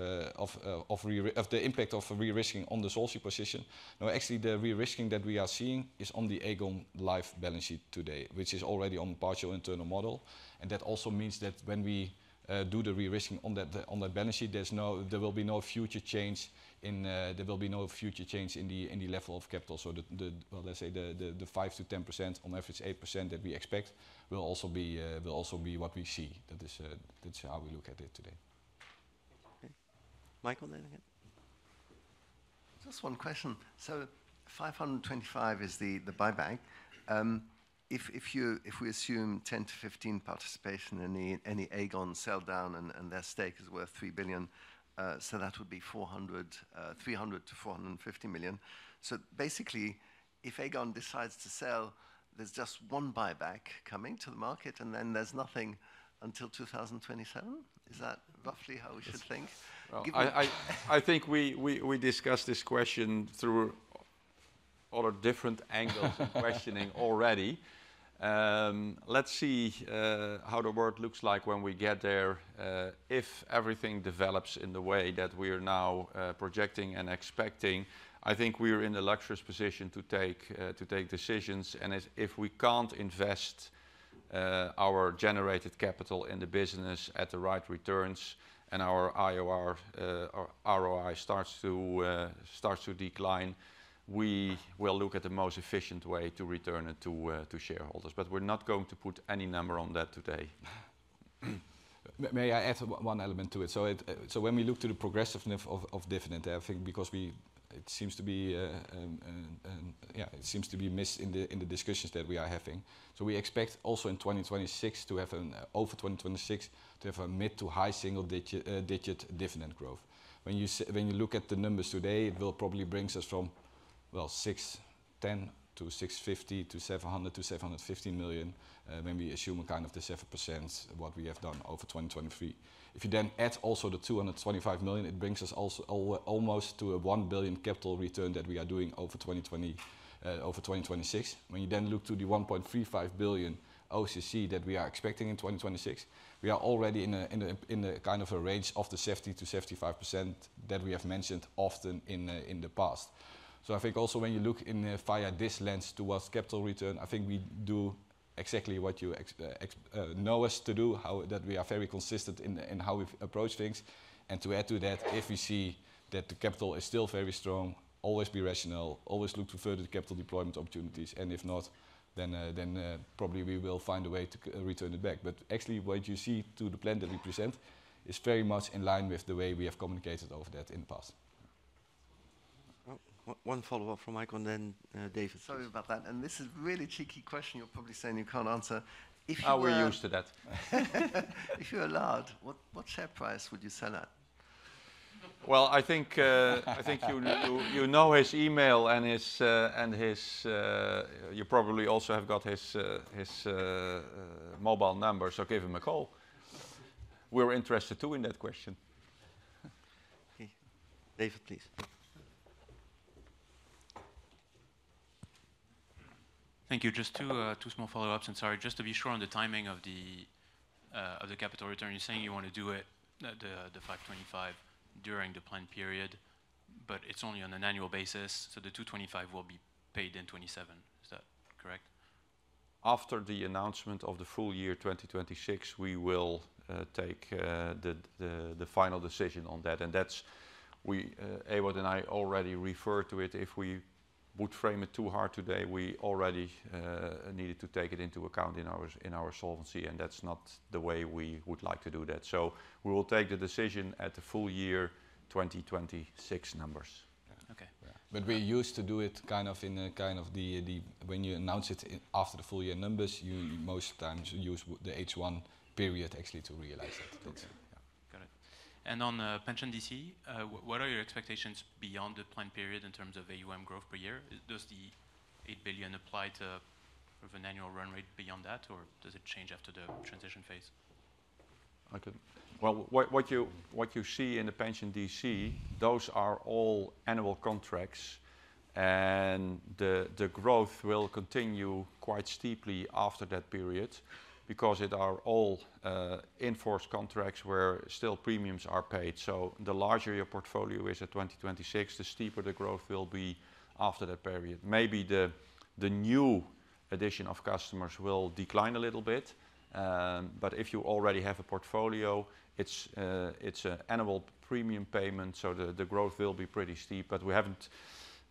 the impact of rerisking on the solvency position? No, actually, the rerisking that we are seeing is on the Aegon Life balance sheet today, which is already on partial internal model. And that also means that when we do the rerisking on that balance sheet, there will be no future change in the level of capital. So the, well, let's say, the 5%-10%, on average, 8% that we expect, will also be what we see. That is, that's how we look at it today. Okay. Michael, then again. Just one question. So 525 is the buyback. If we assume 10-15 participation in any Aegon sell down, and their stake is worth 3 billion, so that would be 300-450 million. So basically, if Aegon decides to sell, there's just one buyback coming to the market, and then there's nothing until 2027? Is that roughly how we should think? Well, I think we discussed this question through other different angles and questioning already. Let's see how the world looks like when we get there. If everything develops in the way that we are now projecting and expecting, I think we are in a luxurious position to take decisions. And if we can't invest our generated capital in the business at the right returns and our IRR or ROI starts to decline, we will look at the most efficient way to return it to shareholders. But we're not going to put any number on that today. May I add one element to it? So when we look to the progressiveness of dividend, I think because we it seems to be. Yeah, it seems to be missed in the, in the discussions that we are having. So we expect also in 2026 to have an, over 2026, to have a mid- to high-single-digit dividend growth. When you look at the numbers today, it will probably brings us from, well, 610 million to 650 million, to 700 million to 750 million, when we assume kind of the 7% what we have done over 2023. If you then add also the 225 million, it brings us also almost to a 1 billion capital return that we are doing over 2026. When you then look to the 1.35 billion OCC that we are expecting in 2026, we are already in a kind of a range of the 70%-75% that we have mentioned often in the past. So I think also when you look in via this lens towards capital return, I think we do exactly what you know us to do, how that we are very consistent in how we've approached things. And to add to that, if we see that the capital is still very strong, always be rational, always look to further capital deployment opportunities, and if not, then probably we will find a way to return it back. But actually, what you see to the plan that we present is very much in line with the way we have communicated over that in the past. One, one follow-up from Michael, and then, David. Sorry about that. This is a really tricky question you're probably saying you can't answer. If you- Oh, we're used to that. If you're allowed, what share price would you sell at? Well, I think you know his email and his mobile number, so give him a call. We're interested, too, in that question. Okay. David, please. Thank you. Just two, two small follow-ups, and sorry, just to be sure on the timing of the, of the capital return. You're saying you want to do it, the, the 525, during the planned period, but it's only on an annual basis, so the 225 will be paid in 2027. Is that correct? After the announcement of the full year 2026, we will take the final decision on that. And that's... We, Ewout and I already referred to it. If we would frame it too hard today, we already needed to take it into account in our solvency, and that's not the way we would like to do that. So we will take the decision at the full year 2026 numbers. Okay. But we used to do it kind of in a, when you announce it after the full year numbers, you most of the times use the H1 period actually to realize it. Okay. Yeah. Got it. And on pension DC, what are your expectations beyond the plan period in terms of AUM growth per year? Does the 8 billion apply to of an annual run rate beyond that, or does it change after the transition phase? Well, what you see in the pension DC, those are all annual contracts, and the growth will continue-... quite steeply after that period, because it are all enforced contracts where still premiums are paid. So the larger your portfolio is at 2026, the steeper the growth will be after that period. Maybe the new addition of customers will decline a little bit, but if you already have a portfolio, it's an annual premium payment, so the growth will be pretty steep. But we haven't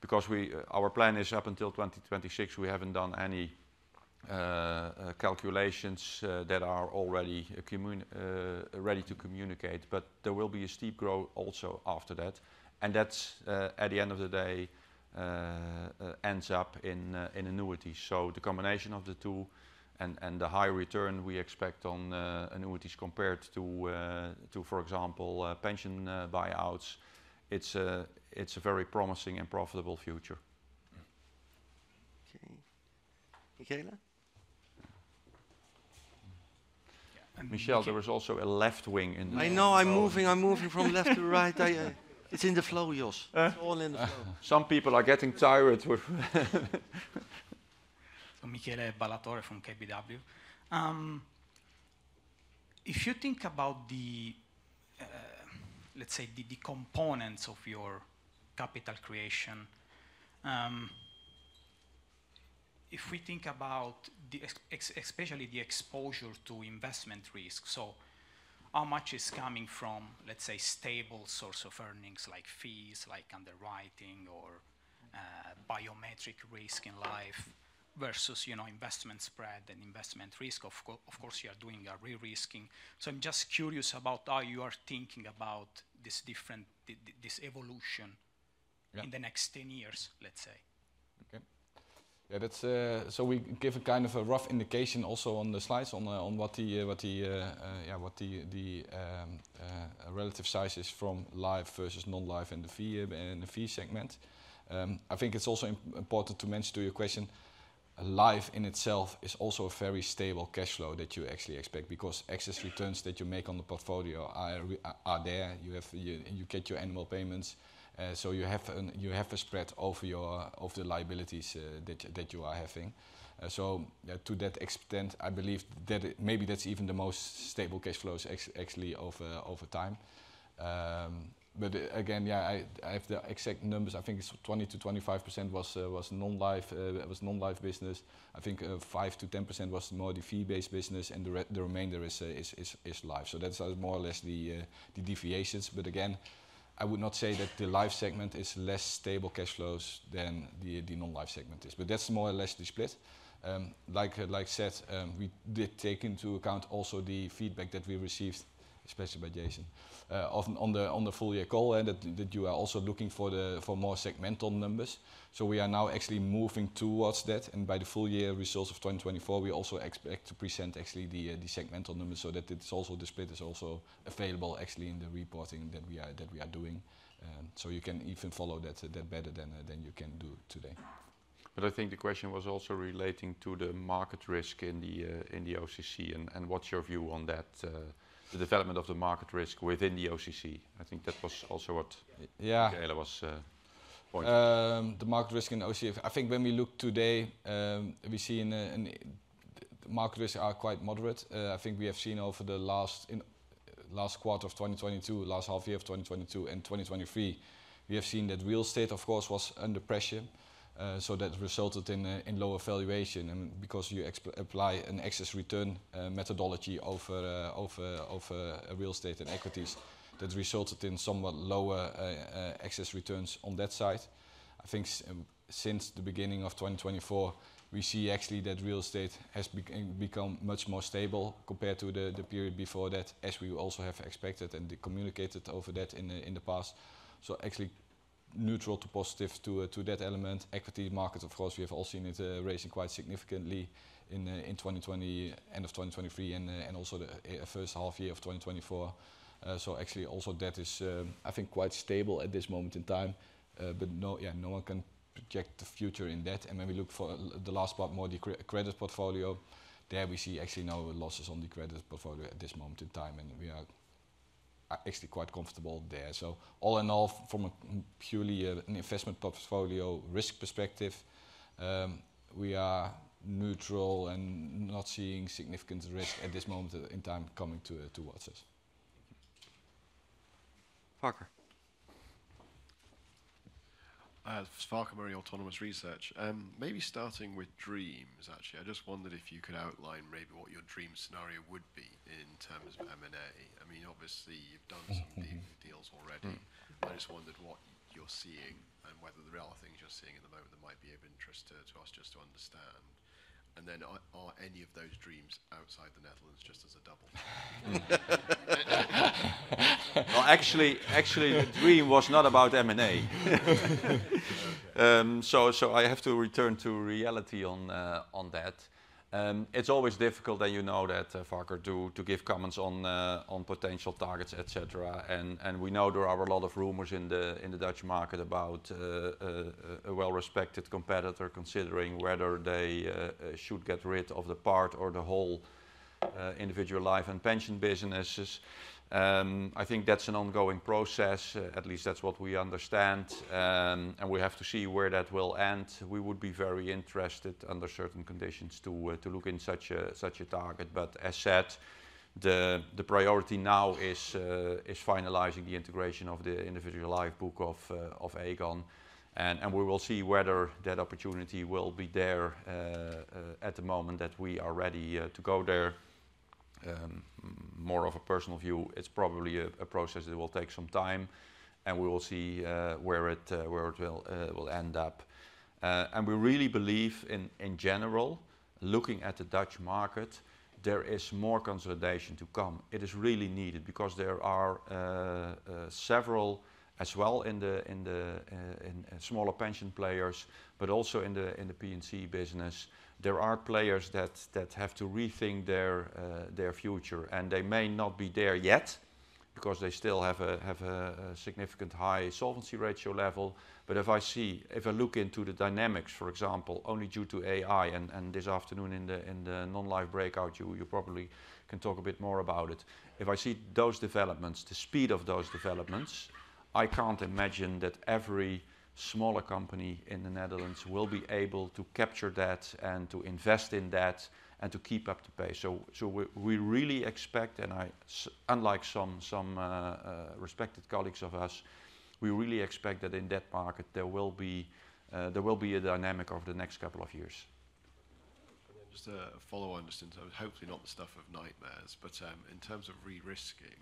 because we our plan is up until 2026, we haven't done any calculations that are already ready to communicate. But there will be a steep growth also after that, and that's at the end of the day ends up in annuity. So the combination of the two and, and the high return we expect on annuities compared to, to, for example, pension buyouts, it's a, it's a very promising and profitable future. Okay. Michele? Michel, there was also a left wing in the- I know. I'm moving, I'm moving from left to right. I... It's in the flow, Jos. It's all in the flow. Some people are getting tired with Michele Ballatore from KBW. If you think about the, let's say, the components of your capital creation, if we think about the especially the exposure to investment risk, so how much is coming from, let's say, stable source of earnings, like fees, like underwriting or, biometric risk in life, versus, you know, investment spread and investment risk? Of course, you are doing a re-risking. So I'm just curious about how you are thinking about this different, this, this evolution- Yeah... in the next 10 years, let's say. Okay. Yeah, that's so we give a kind of a rough indication also on the slides on what the relative size is from life versus non-life and the fee, and the fee segment. I think it's also important to mention to your question, life in itself is also a very stable cash flow that you actually expect, because excess returns that you make on the portfolio are there. You get your annual payments, so you have a spread of your liabilities that you are having. So to that extent, I believe that maybe that's even the most stable cash flows actually over time. But again, yeah, I have the exact numbers. I think it's 20%-25% was non-life business. I think 5%-10% was more the fee-based business, and the remainder is life. So that's more or less the deviations. But again, I would not say that the life segment is less stable cash flows than the non-life segment is, but that's more or less the split. Like said, we did take into account also the feedback that we received, especially by Jason, of on the full year call, and that you are also looking for more segmental numbers. So we are now actually moving towards that, and by the full year results of 2024, we also expect to present actually the segmental numbers, so that it's also, the split is also available actually in the reporting that we are doing. So you can even follow that better than you can do today. But I think the question was also relating to the market risk in the OCC, and what's your view on that, the development of the market risk within the OCC? I think that was also what- Yeah... Michele was pointing. The market risk in the OCC. I think when we look today, we see the market risks are quite moderate. I think we have seen over the last quarter of 2022, last half year of 2022 and 2023, we have seen that real estate, of course, was under pressure, so that resulted in lower valuation. And because you apply an excess return methodology of real estate and equities, that resulted in somewhat lower excess returns on that side. I think since the beginning of 2024, we see actually that real estate has become much more stable compared to the period before that, as we also have expected and communicated over that in the past. So actually, neutral to positive to, to that element. Equity market, of course, we have all seen it, raising quite significantly in, in 2020, end of 2023 and, and also the, first half year of 2024. So actually, also that is, I think, quite stable at this moment in time. But no, yeah, no one can project the future in that. And when we look for the last part, more the credit portfolio, there we see actually no losses on the credit portfolio at this moment in time, and we are actually quite comfortable there. So all in all, from a purely, an investment portfolio risk perspective, we are neutral and not seeing significant risk at this moment in time coming towards us. Farquhar. Farquhar Murray, Autonomous Research. Maybe starting with dreams, actually. I just wondered if you could outline maybe what your dream scenario would be in terms of M&A. I mean, obviously, you've done some deals already. Mm-hmm. I just wondered what you're seeing and whether there are other things you're seeing at the moment that might be of interest to us just to understand. And then are any of those deals outside the Netherlands, just as a double? Well, actually, actually, the dream was not about M&A. Okay. So I have to return to reality on that. It's always difficult, and you know that, Farquhar, to give comments on potential targets, et cetera. And we know there are a lot of rumors in the Dutch market about a well-respected competitor considering whether they should get rid of the part or the whole individual life and pension businesses. I think that's an ongoing process, at least that's what we understand. And we have to see where that will end. We would be very interested, under certain conditions, to look in such a target. But as said, the priority now is finalizing the integration of the individual life book of Aegon, and we will see whether that opportunity will be there at the moment that we are ready to go there. More of a personal view, it's probably a process that will take some time, and we will see where it will end up. And we really believe in general, looking at the Dutch market, there is more consolidation to come. It is really needed because there are several as well in the smaller pension players, but also in the P&C business, there are players that have to rethink their future. And they may not be there yet, because they still have a significant high solvency ratio level. But if I see if I look into the dynamics, for example, only due to AI, and this afternoon in the non-life breakout, you probably can talk a bit more about it. If I see those developments, the speed of those developments, I can't imagine that every smaller company in the Netherlands will be able to capture that and to invest in that and to keep up to pace. So we really expect, and unlike some respected colleagues of us, we really expect that in that market, there will be a dynamic over the next couple of years. And then just a follow on, just in terms, hopefully not the stuff of nightmares, but, in terms of re-risking,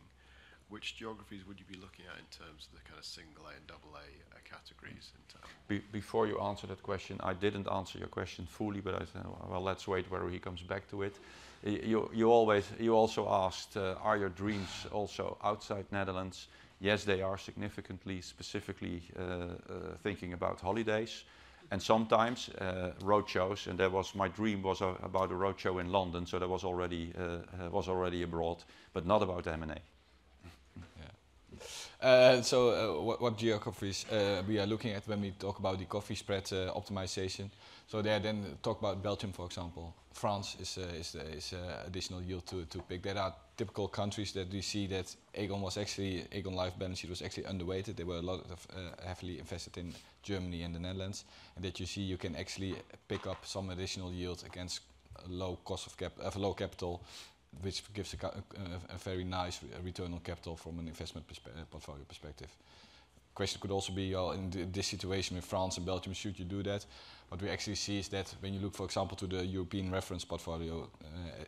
which geographies would you be looking at in terms of the kind of single A and double A categories in term? Before you answer that question, I didn't answer your question fully, but I said, "Well, let's wait whether he comes back to it." You always – you also asked, are your dreams also outside Netherlands? Yes, they are significantly, specifically, thinking about holidays and sometimes, road shows, and that was my dream was about a road show in London, so that was already, was already abroad, but not about M&A. Yeah. So, what geographies we are looking at when we talk about the carry spread optimization? So there, then talk about Belgium, for example, France is a additional yield to pick. They are typical countries that we see that Aegon was actually... Aegon-like balance sheet was actually underrated. They were a lot heavily invested in Germany and the Netherlands, and that you see you can actually pick up some additional yields against a low cost of capital, which gives a very nice return on capital from an investment portfolio perspective. Question could also be, in this situation with France and Belgium, should you do that? What we actually see is that when you look, for example, to the European reference portfolio,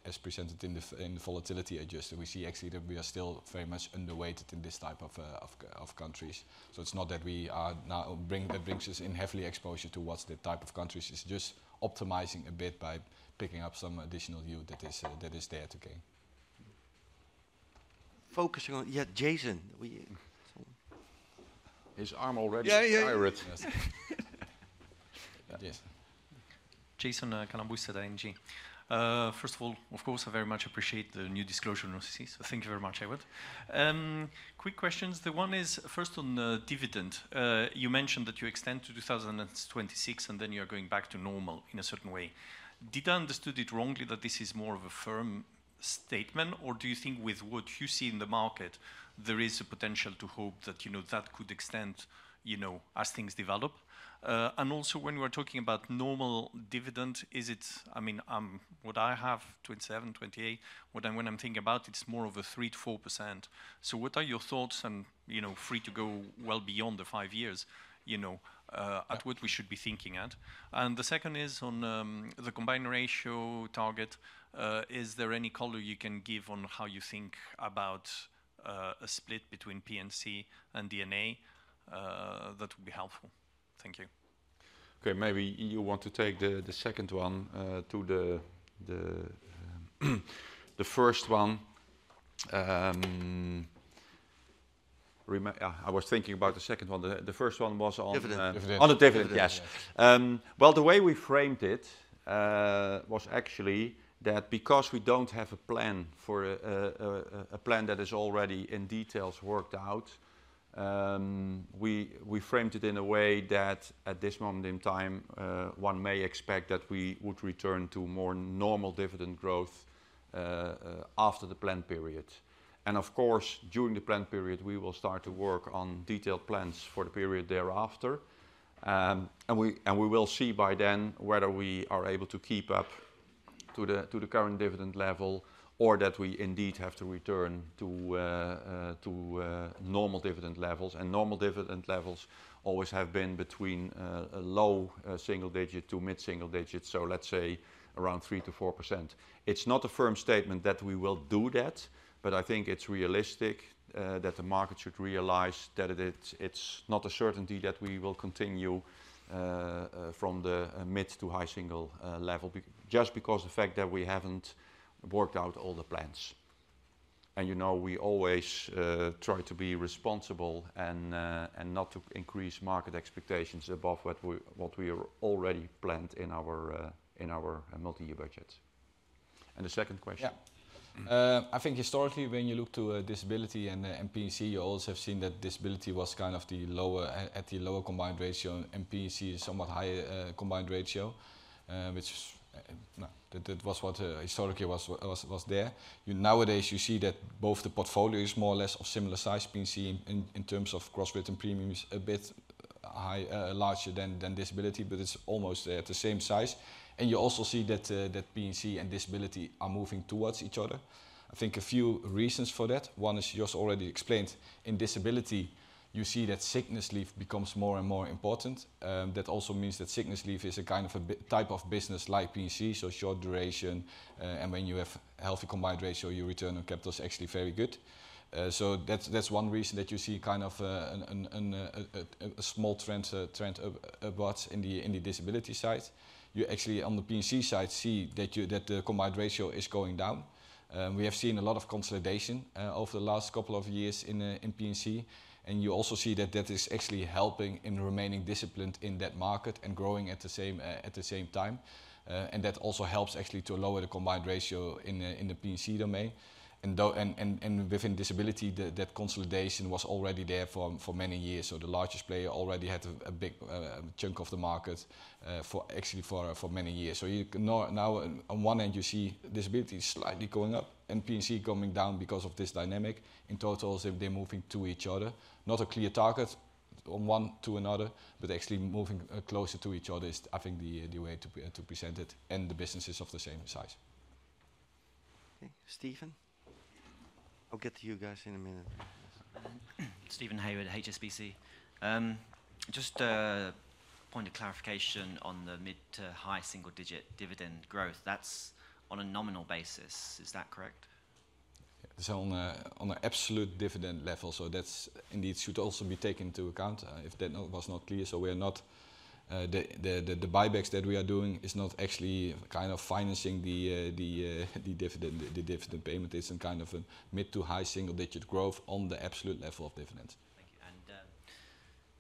as presented in the volatility adjustment, we see actually that we are still very much underweight in this type of countries. So it's not that we are now that brings us heavy exposure towards the type of countries. It's just optimizing a bit by picking up some additional yield that is, that is there to gain. Focusing on... Yeah, Jason, we- His arm already tired. Yeah, yeah, yeah. Yes. Jason Kalamboussis at ING. First of all, of course, I very much appreciate the new disclosure policies, so thank you very much, Ewout. Quick questions. The one is, first on the dividend. You mentioned that you extend to 2026, and then you're going back to normal in a certain way. Did I understood it wrongly that this is more of a firm statement, or do you think with what you see in the market, there is a potential to hope that, you know, that could extend, you know, as things develop? And also when we're talking about normal dividend, is it- I mean, what I have, 2027, 2028, what I'm, when I'm thinking about, it's more of a 3%-4%. So what are your thoughts and, you know, free to go well beyond the five years, you know, at what we should be thinking at? And the second is on the combined ratio target. Is there any color you can give on how you think about a split between P&C and D&A? That would be helpful. Thank you. Okay, maybe you want to take the second one to the... The first one, I was thinking about the second one. The first one was on- Dividend. Dividend... On the dividend, yes. Dividend, yeah. Well, the way we framed it was actually that because we don't have a plan for a plan that is already in details worked out, we framed it in a way that at this moment in time, one may expect that we would return to more normal dividend growth after the plan period. Of course, during the plan period, we will start to work on detailed plans for the period thereafter. We will see by then whether we are able to keep up to the current dividend level or that we indeed have to return to normal dividend levels. Normal dividend levels always have been between a low single digit to mid single digits, so let's say around 3%-4%. It's not a firm statement that we will do that, but I think it's realistic that the market should realize that it's not a certainty that we will continue from the mid to high single level just because the fact that we haven't worked out all the plans. And, you know, we always try to be responsible and not to increase market expectations above what we already planned in our multi-year budgets. And the second question? Yeah. I think historically, when you look to disability and the P&C, you also have seen that disability was kind of the lower, at the lower combined ratio, and P&C is somewhat higher combined ratio. Which is, no, that was what historically was there. Nowadays, you see that both the portfolio is more or less of similar size, P&C in terms of cross-written premiums, a bit high larger than disability, but it's almost at the same size. And you also see that P&C and disability are moving towards each other. I think a few reasons for that. One is just already explained. In disability, you see that sickness leave becomes more and more important. That also means that sickness leave is a kind of a bi- type of business like P&C, so short duration, and when you have healthy combined ratio, your return on capital is actually very good. So that's, that's one reason that you see kind of a small trend upwards in the disability side. You actually, on the P&C side, see that the combined ratio is going down. We have seen a lot of consolidation over the last couple of years in P&C, and you also see that that is actually helping in remaining disciplined in that market and growing at the same time. And that also helps actually to lower the combined ratio in the P&C domain. Within disability, that consolidation was already there for many years. So the largest player already had a big chunk of the market for actually for many years. So you can now on one end, you see disability slightly going up and P&C coming down because of this dynamic. In total, as if they're moving to each other. Not a clear target on one to another, but actually moving closer to each other is, I think, the way to present it, and the businesses of the same size. Okay, Steven. I'll get to you guys in a minute. Steven Haywood, HSBC. Just a point of clarification on the mid- to high-single-digit dividend growth, that's on a nominal basis. Is that correct? Yeah. It's on an absolute dividend level, so that's indeed should also be taken into account, if that was not clear. So we are not, the buybacks that we are doing is not actually kind of financing the dividend payment. It's kind of a mid to high single digit growth on the absolute level of dividend. Thank you.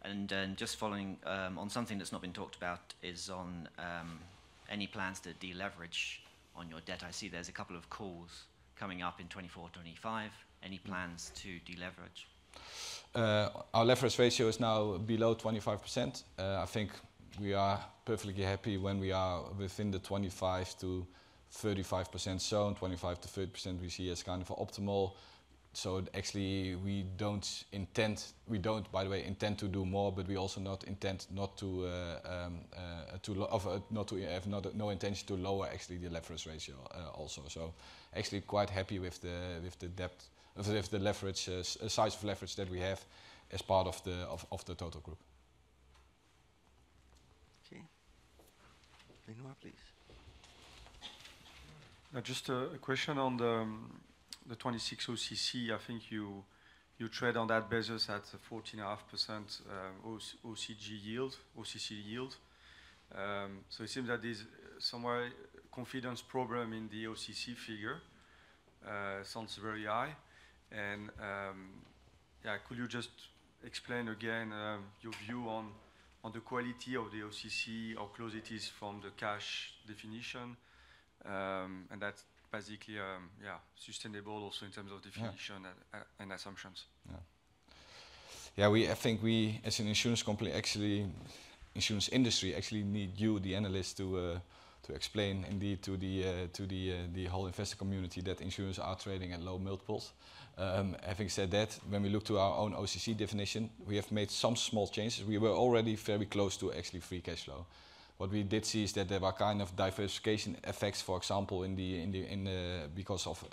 And then just following on something that's not been talked about, is on any plans to deleverage on your debt? I see there's a couple of calls coming up in 2024, 2025. Any plans to deleverage? Our leverage ratio is now below 25%. I think we are perfectly happy when we are within the 25%-35%. So 25%-30% we see as kind of optimal. So actually, we don't intend, we don't, by the way, intend to do more, but we also not intend not to have not, no intention to lower actually the leverage ratio, also. So actually quite happy with the debt, with the leverage, size of leverage that we have as part of the total group. Okay. Lenora, please. Just a question on the 2026 OCC. I think you trade on that basis at 14.5%, OCC yield. So it seems that is somewhere confidence problem in the OCC figure, sounds very high. And, yeah, could you just explain again, your view on the quality of the OCC, how close it is from the cash definition? And that's basically, yeah, sustainable also in terms of definition- Yeah... and assumptions. Yeah. Yeah, we- I think we, as an insurance company, actually insurance industry, actually need you, the analysts, to explain indeed to the whole investor community that insurers are trading at low multiples. Having said that, when we look to our own OCC definition, we have made some small changes. We were already very close to actually free cash flow. What we did see is that there were kind of diversification effects, for example, in the because of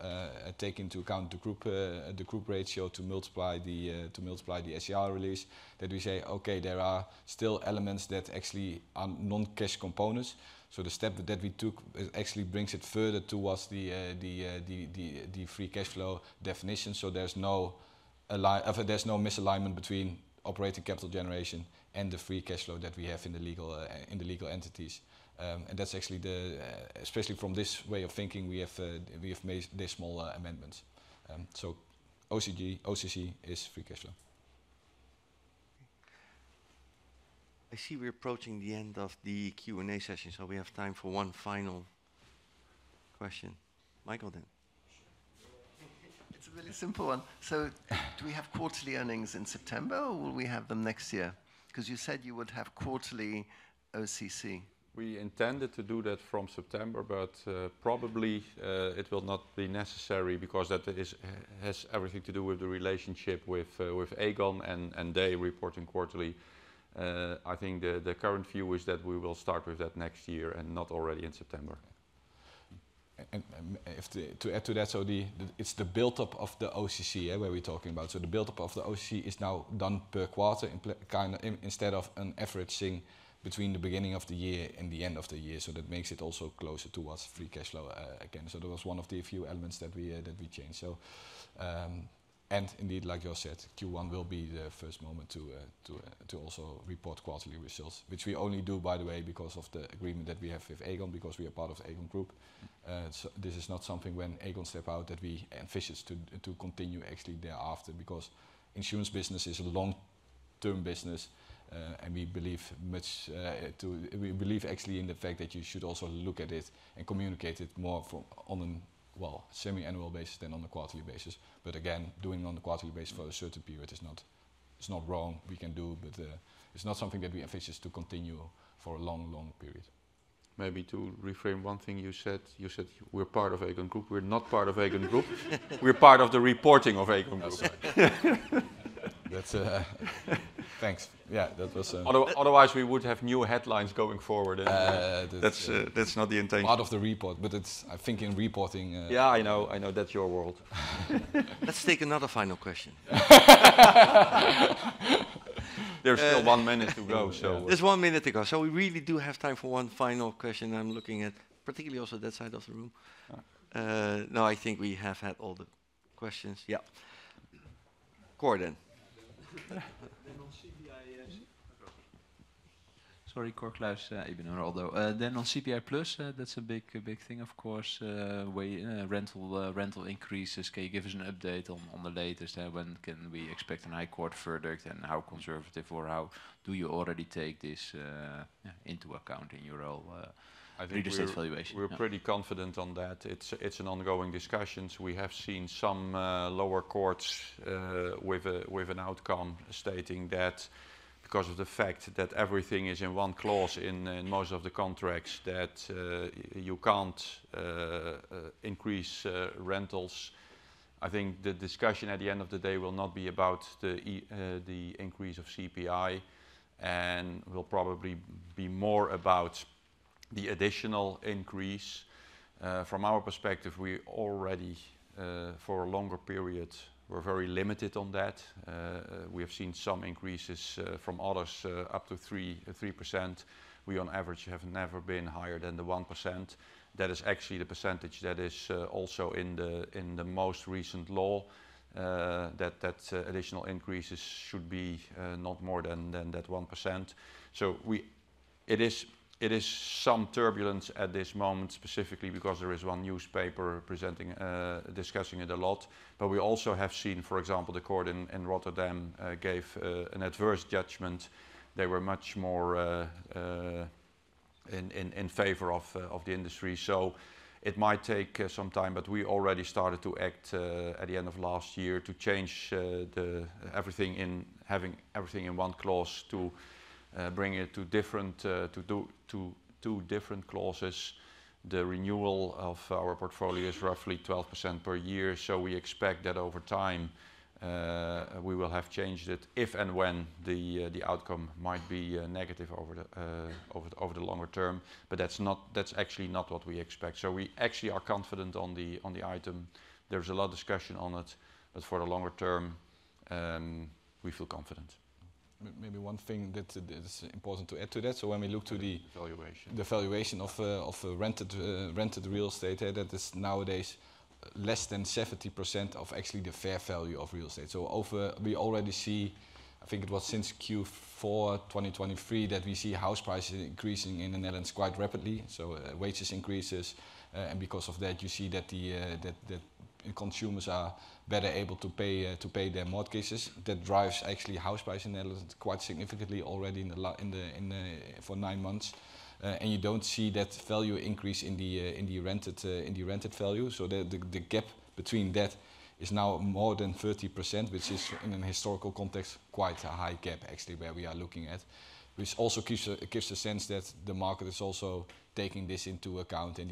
take into account the group the group ratio to multiply the to multiply the SCR release, that we say, "Okay, there are still elements that actually are non-cash components." So the step that we took actually brings it further towards the free cash flow definition. So there's no misalignment between operating capital generation and the free cash flow that we have in the legal, in the legal entities. And that's actually the, especially from this way of thinking, we have, we have made the small amendments. So OCG, OCC is free cash flow. I see we're approaching the end of the Q&A session, so we have time for one final question. Michael, then. It's a really simple one. So do we have quarterly earnings in September, or will we have them next year? 'Cause you said you would have quarterly OCC. We intended to do that from September, but probably it will not be necessary because that has everything to do with the relationship with Aegon and they reporting quarterly. I think the current view is that we will start with that next year and not already in September. To add to that, it's the buildup of the OCC, yeah, where we're talking about. So the buildup of the OCC is now done per quarter, in place kind of instead of an averaging between the beginning of the year and the end of the year. So that makes it also closer towards free cash flow, again. So that was one of the few elements that we changed. So, and indeed, like you said, Q1 will be the first moment to also report quarterly results, which we only do, by the way, because of the agreement that we have with Aegon, because we are part of Aegon Group. So this is not something when Aegon step out, that we ambitious to continue actually thereafter, because insurance business is a long-term business, and we believe much, we believe actually in the fact that you should also look at it and communicate it more for, on, well, semi-annual basis than on a quarterly basis. But again, doing it on a quarterly basis for a certain period is not-... It's not wrong, we can do, but, it's not something that we are anxious to continue for a long, long period. Maybe to reframe one thing you said: you said we're part of Aegon Group. We're not part of Aegon Group. We're part of the reporting of Aegon Group. I'm sorry. That's... Thanks. Yeah, that was... Otherwise, we would have new headlines going forward, and That's not the intention. Part of the report, but it's, I think, in reporting, Yeah, I know. I know that's your world. Let's take another final question? There's still one minute to go, so- There's one minute to go, so we really do have time for one final question. I'm looking at particularly also that side of the room. No, I think we have had all the questions. Yeah. Cor, then. Then on CPI, yes. Sorry, Cor Kluis, ABN AMRO. Then on CPI Plus, that's a big, big thing, of course, where rental increases. Can you give us an update on the latest? When can we expect a high court verdict, and how conservative or how do you already take this into account in your role? I think we- Real estate valuation?... we're pretty confident on that. It's an ongoing discussions. We have seen some lower courts with an outcome stating that because of the fact that everything is in one clause in most of the contracts, that you can't increase rentals. I think the discussion at the end of the day will not be about the increase of CPI, and will probably be more about the additional increase. From our perspective, we already for a longer period, we're very limited on that. We have seen some increases from others up to 3%. We on average have never been higher than the 1%. That is actually the percentage that is also in the most recent law that additional increases should be not more than that 1%. So we... It is some turbulence at this moment, specifically because there is one newspaper presenting discussing it a lot. But we also have seen, for example, the court in Rotterdam gave an adverse judgment. They were much more in favor of the industry. So it might take some time, but we already started to act at the end of last year to change the-- everything in-- having everything in one clause to bring it to different to do to two different clauses. The renewal of our portfolio is roughly 12% per year, so we expect that over time, we will have changed it if and when the outcome might be negative over the longer term. But that's not. That's actually not what we expect. So we actually are confident on the item. There's a lot of discussion on it, but for the longer term, we feel confident. Maybe one thing that is important to add to that, so when we look to the- Evaluation... the valuation of rented real estate that is nowadays less than 70% of actually the fair value of real estate. So we already see, I think it was since Q4 2023, that we see house prices increasing in the Netherlands quite rapidly, so wages increases. And because of that, you see that the consumers are better able to pay their mortgages. That drives actually house prices in Netherlands quite significantly already in the last nine months. And you don't see that value increase in the rented value. So the gap between that is now more than 30%, which is, in a historical context, quite a high gap, actually, where we are looking at. Which also gives a sense that the market is also taking this into account and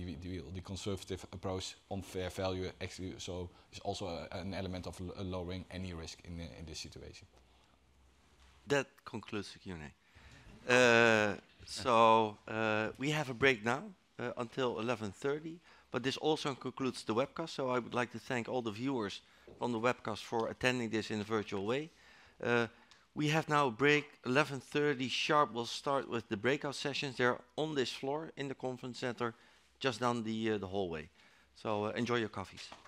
the conservative approach on fair value, actually, so is also an element of lowering any risk in this situation. That concludes the Q&A. So, we have a break now until 11:30 A.M., but this also concludes the webcast. So I would like to thank all the viewers on the webcast for attending this in a virtual way. We have now a break. 11:30 A.M. sharp, we'll start with the breakout sessions. They're on this floor in the conference center, just down the hallway. So enjoy your coffees. Thank you.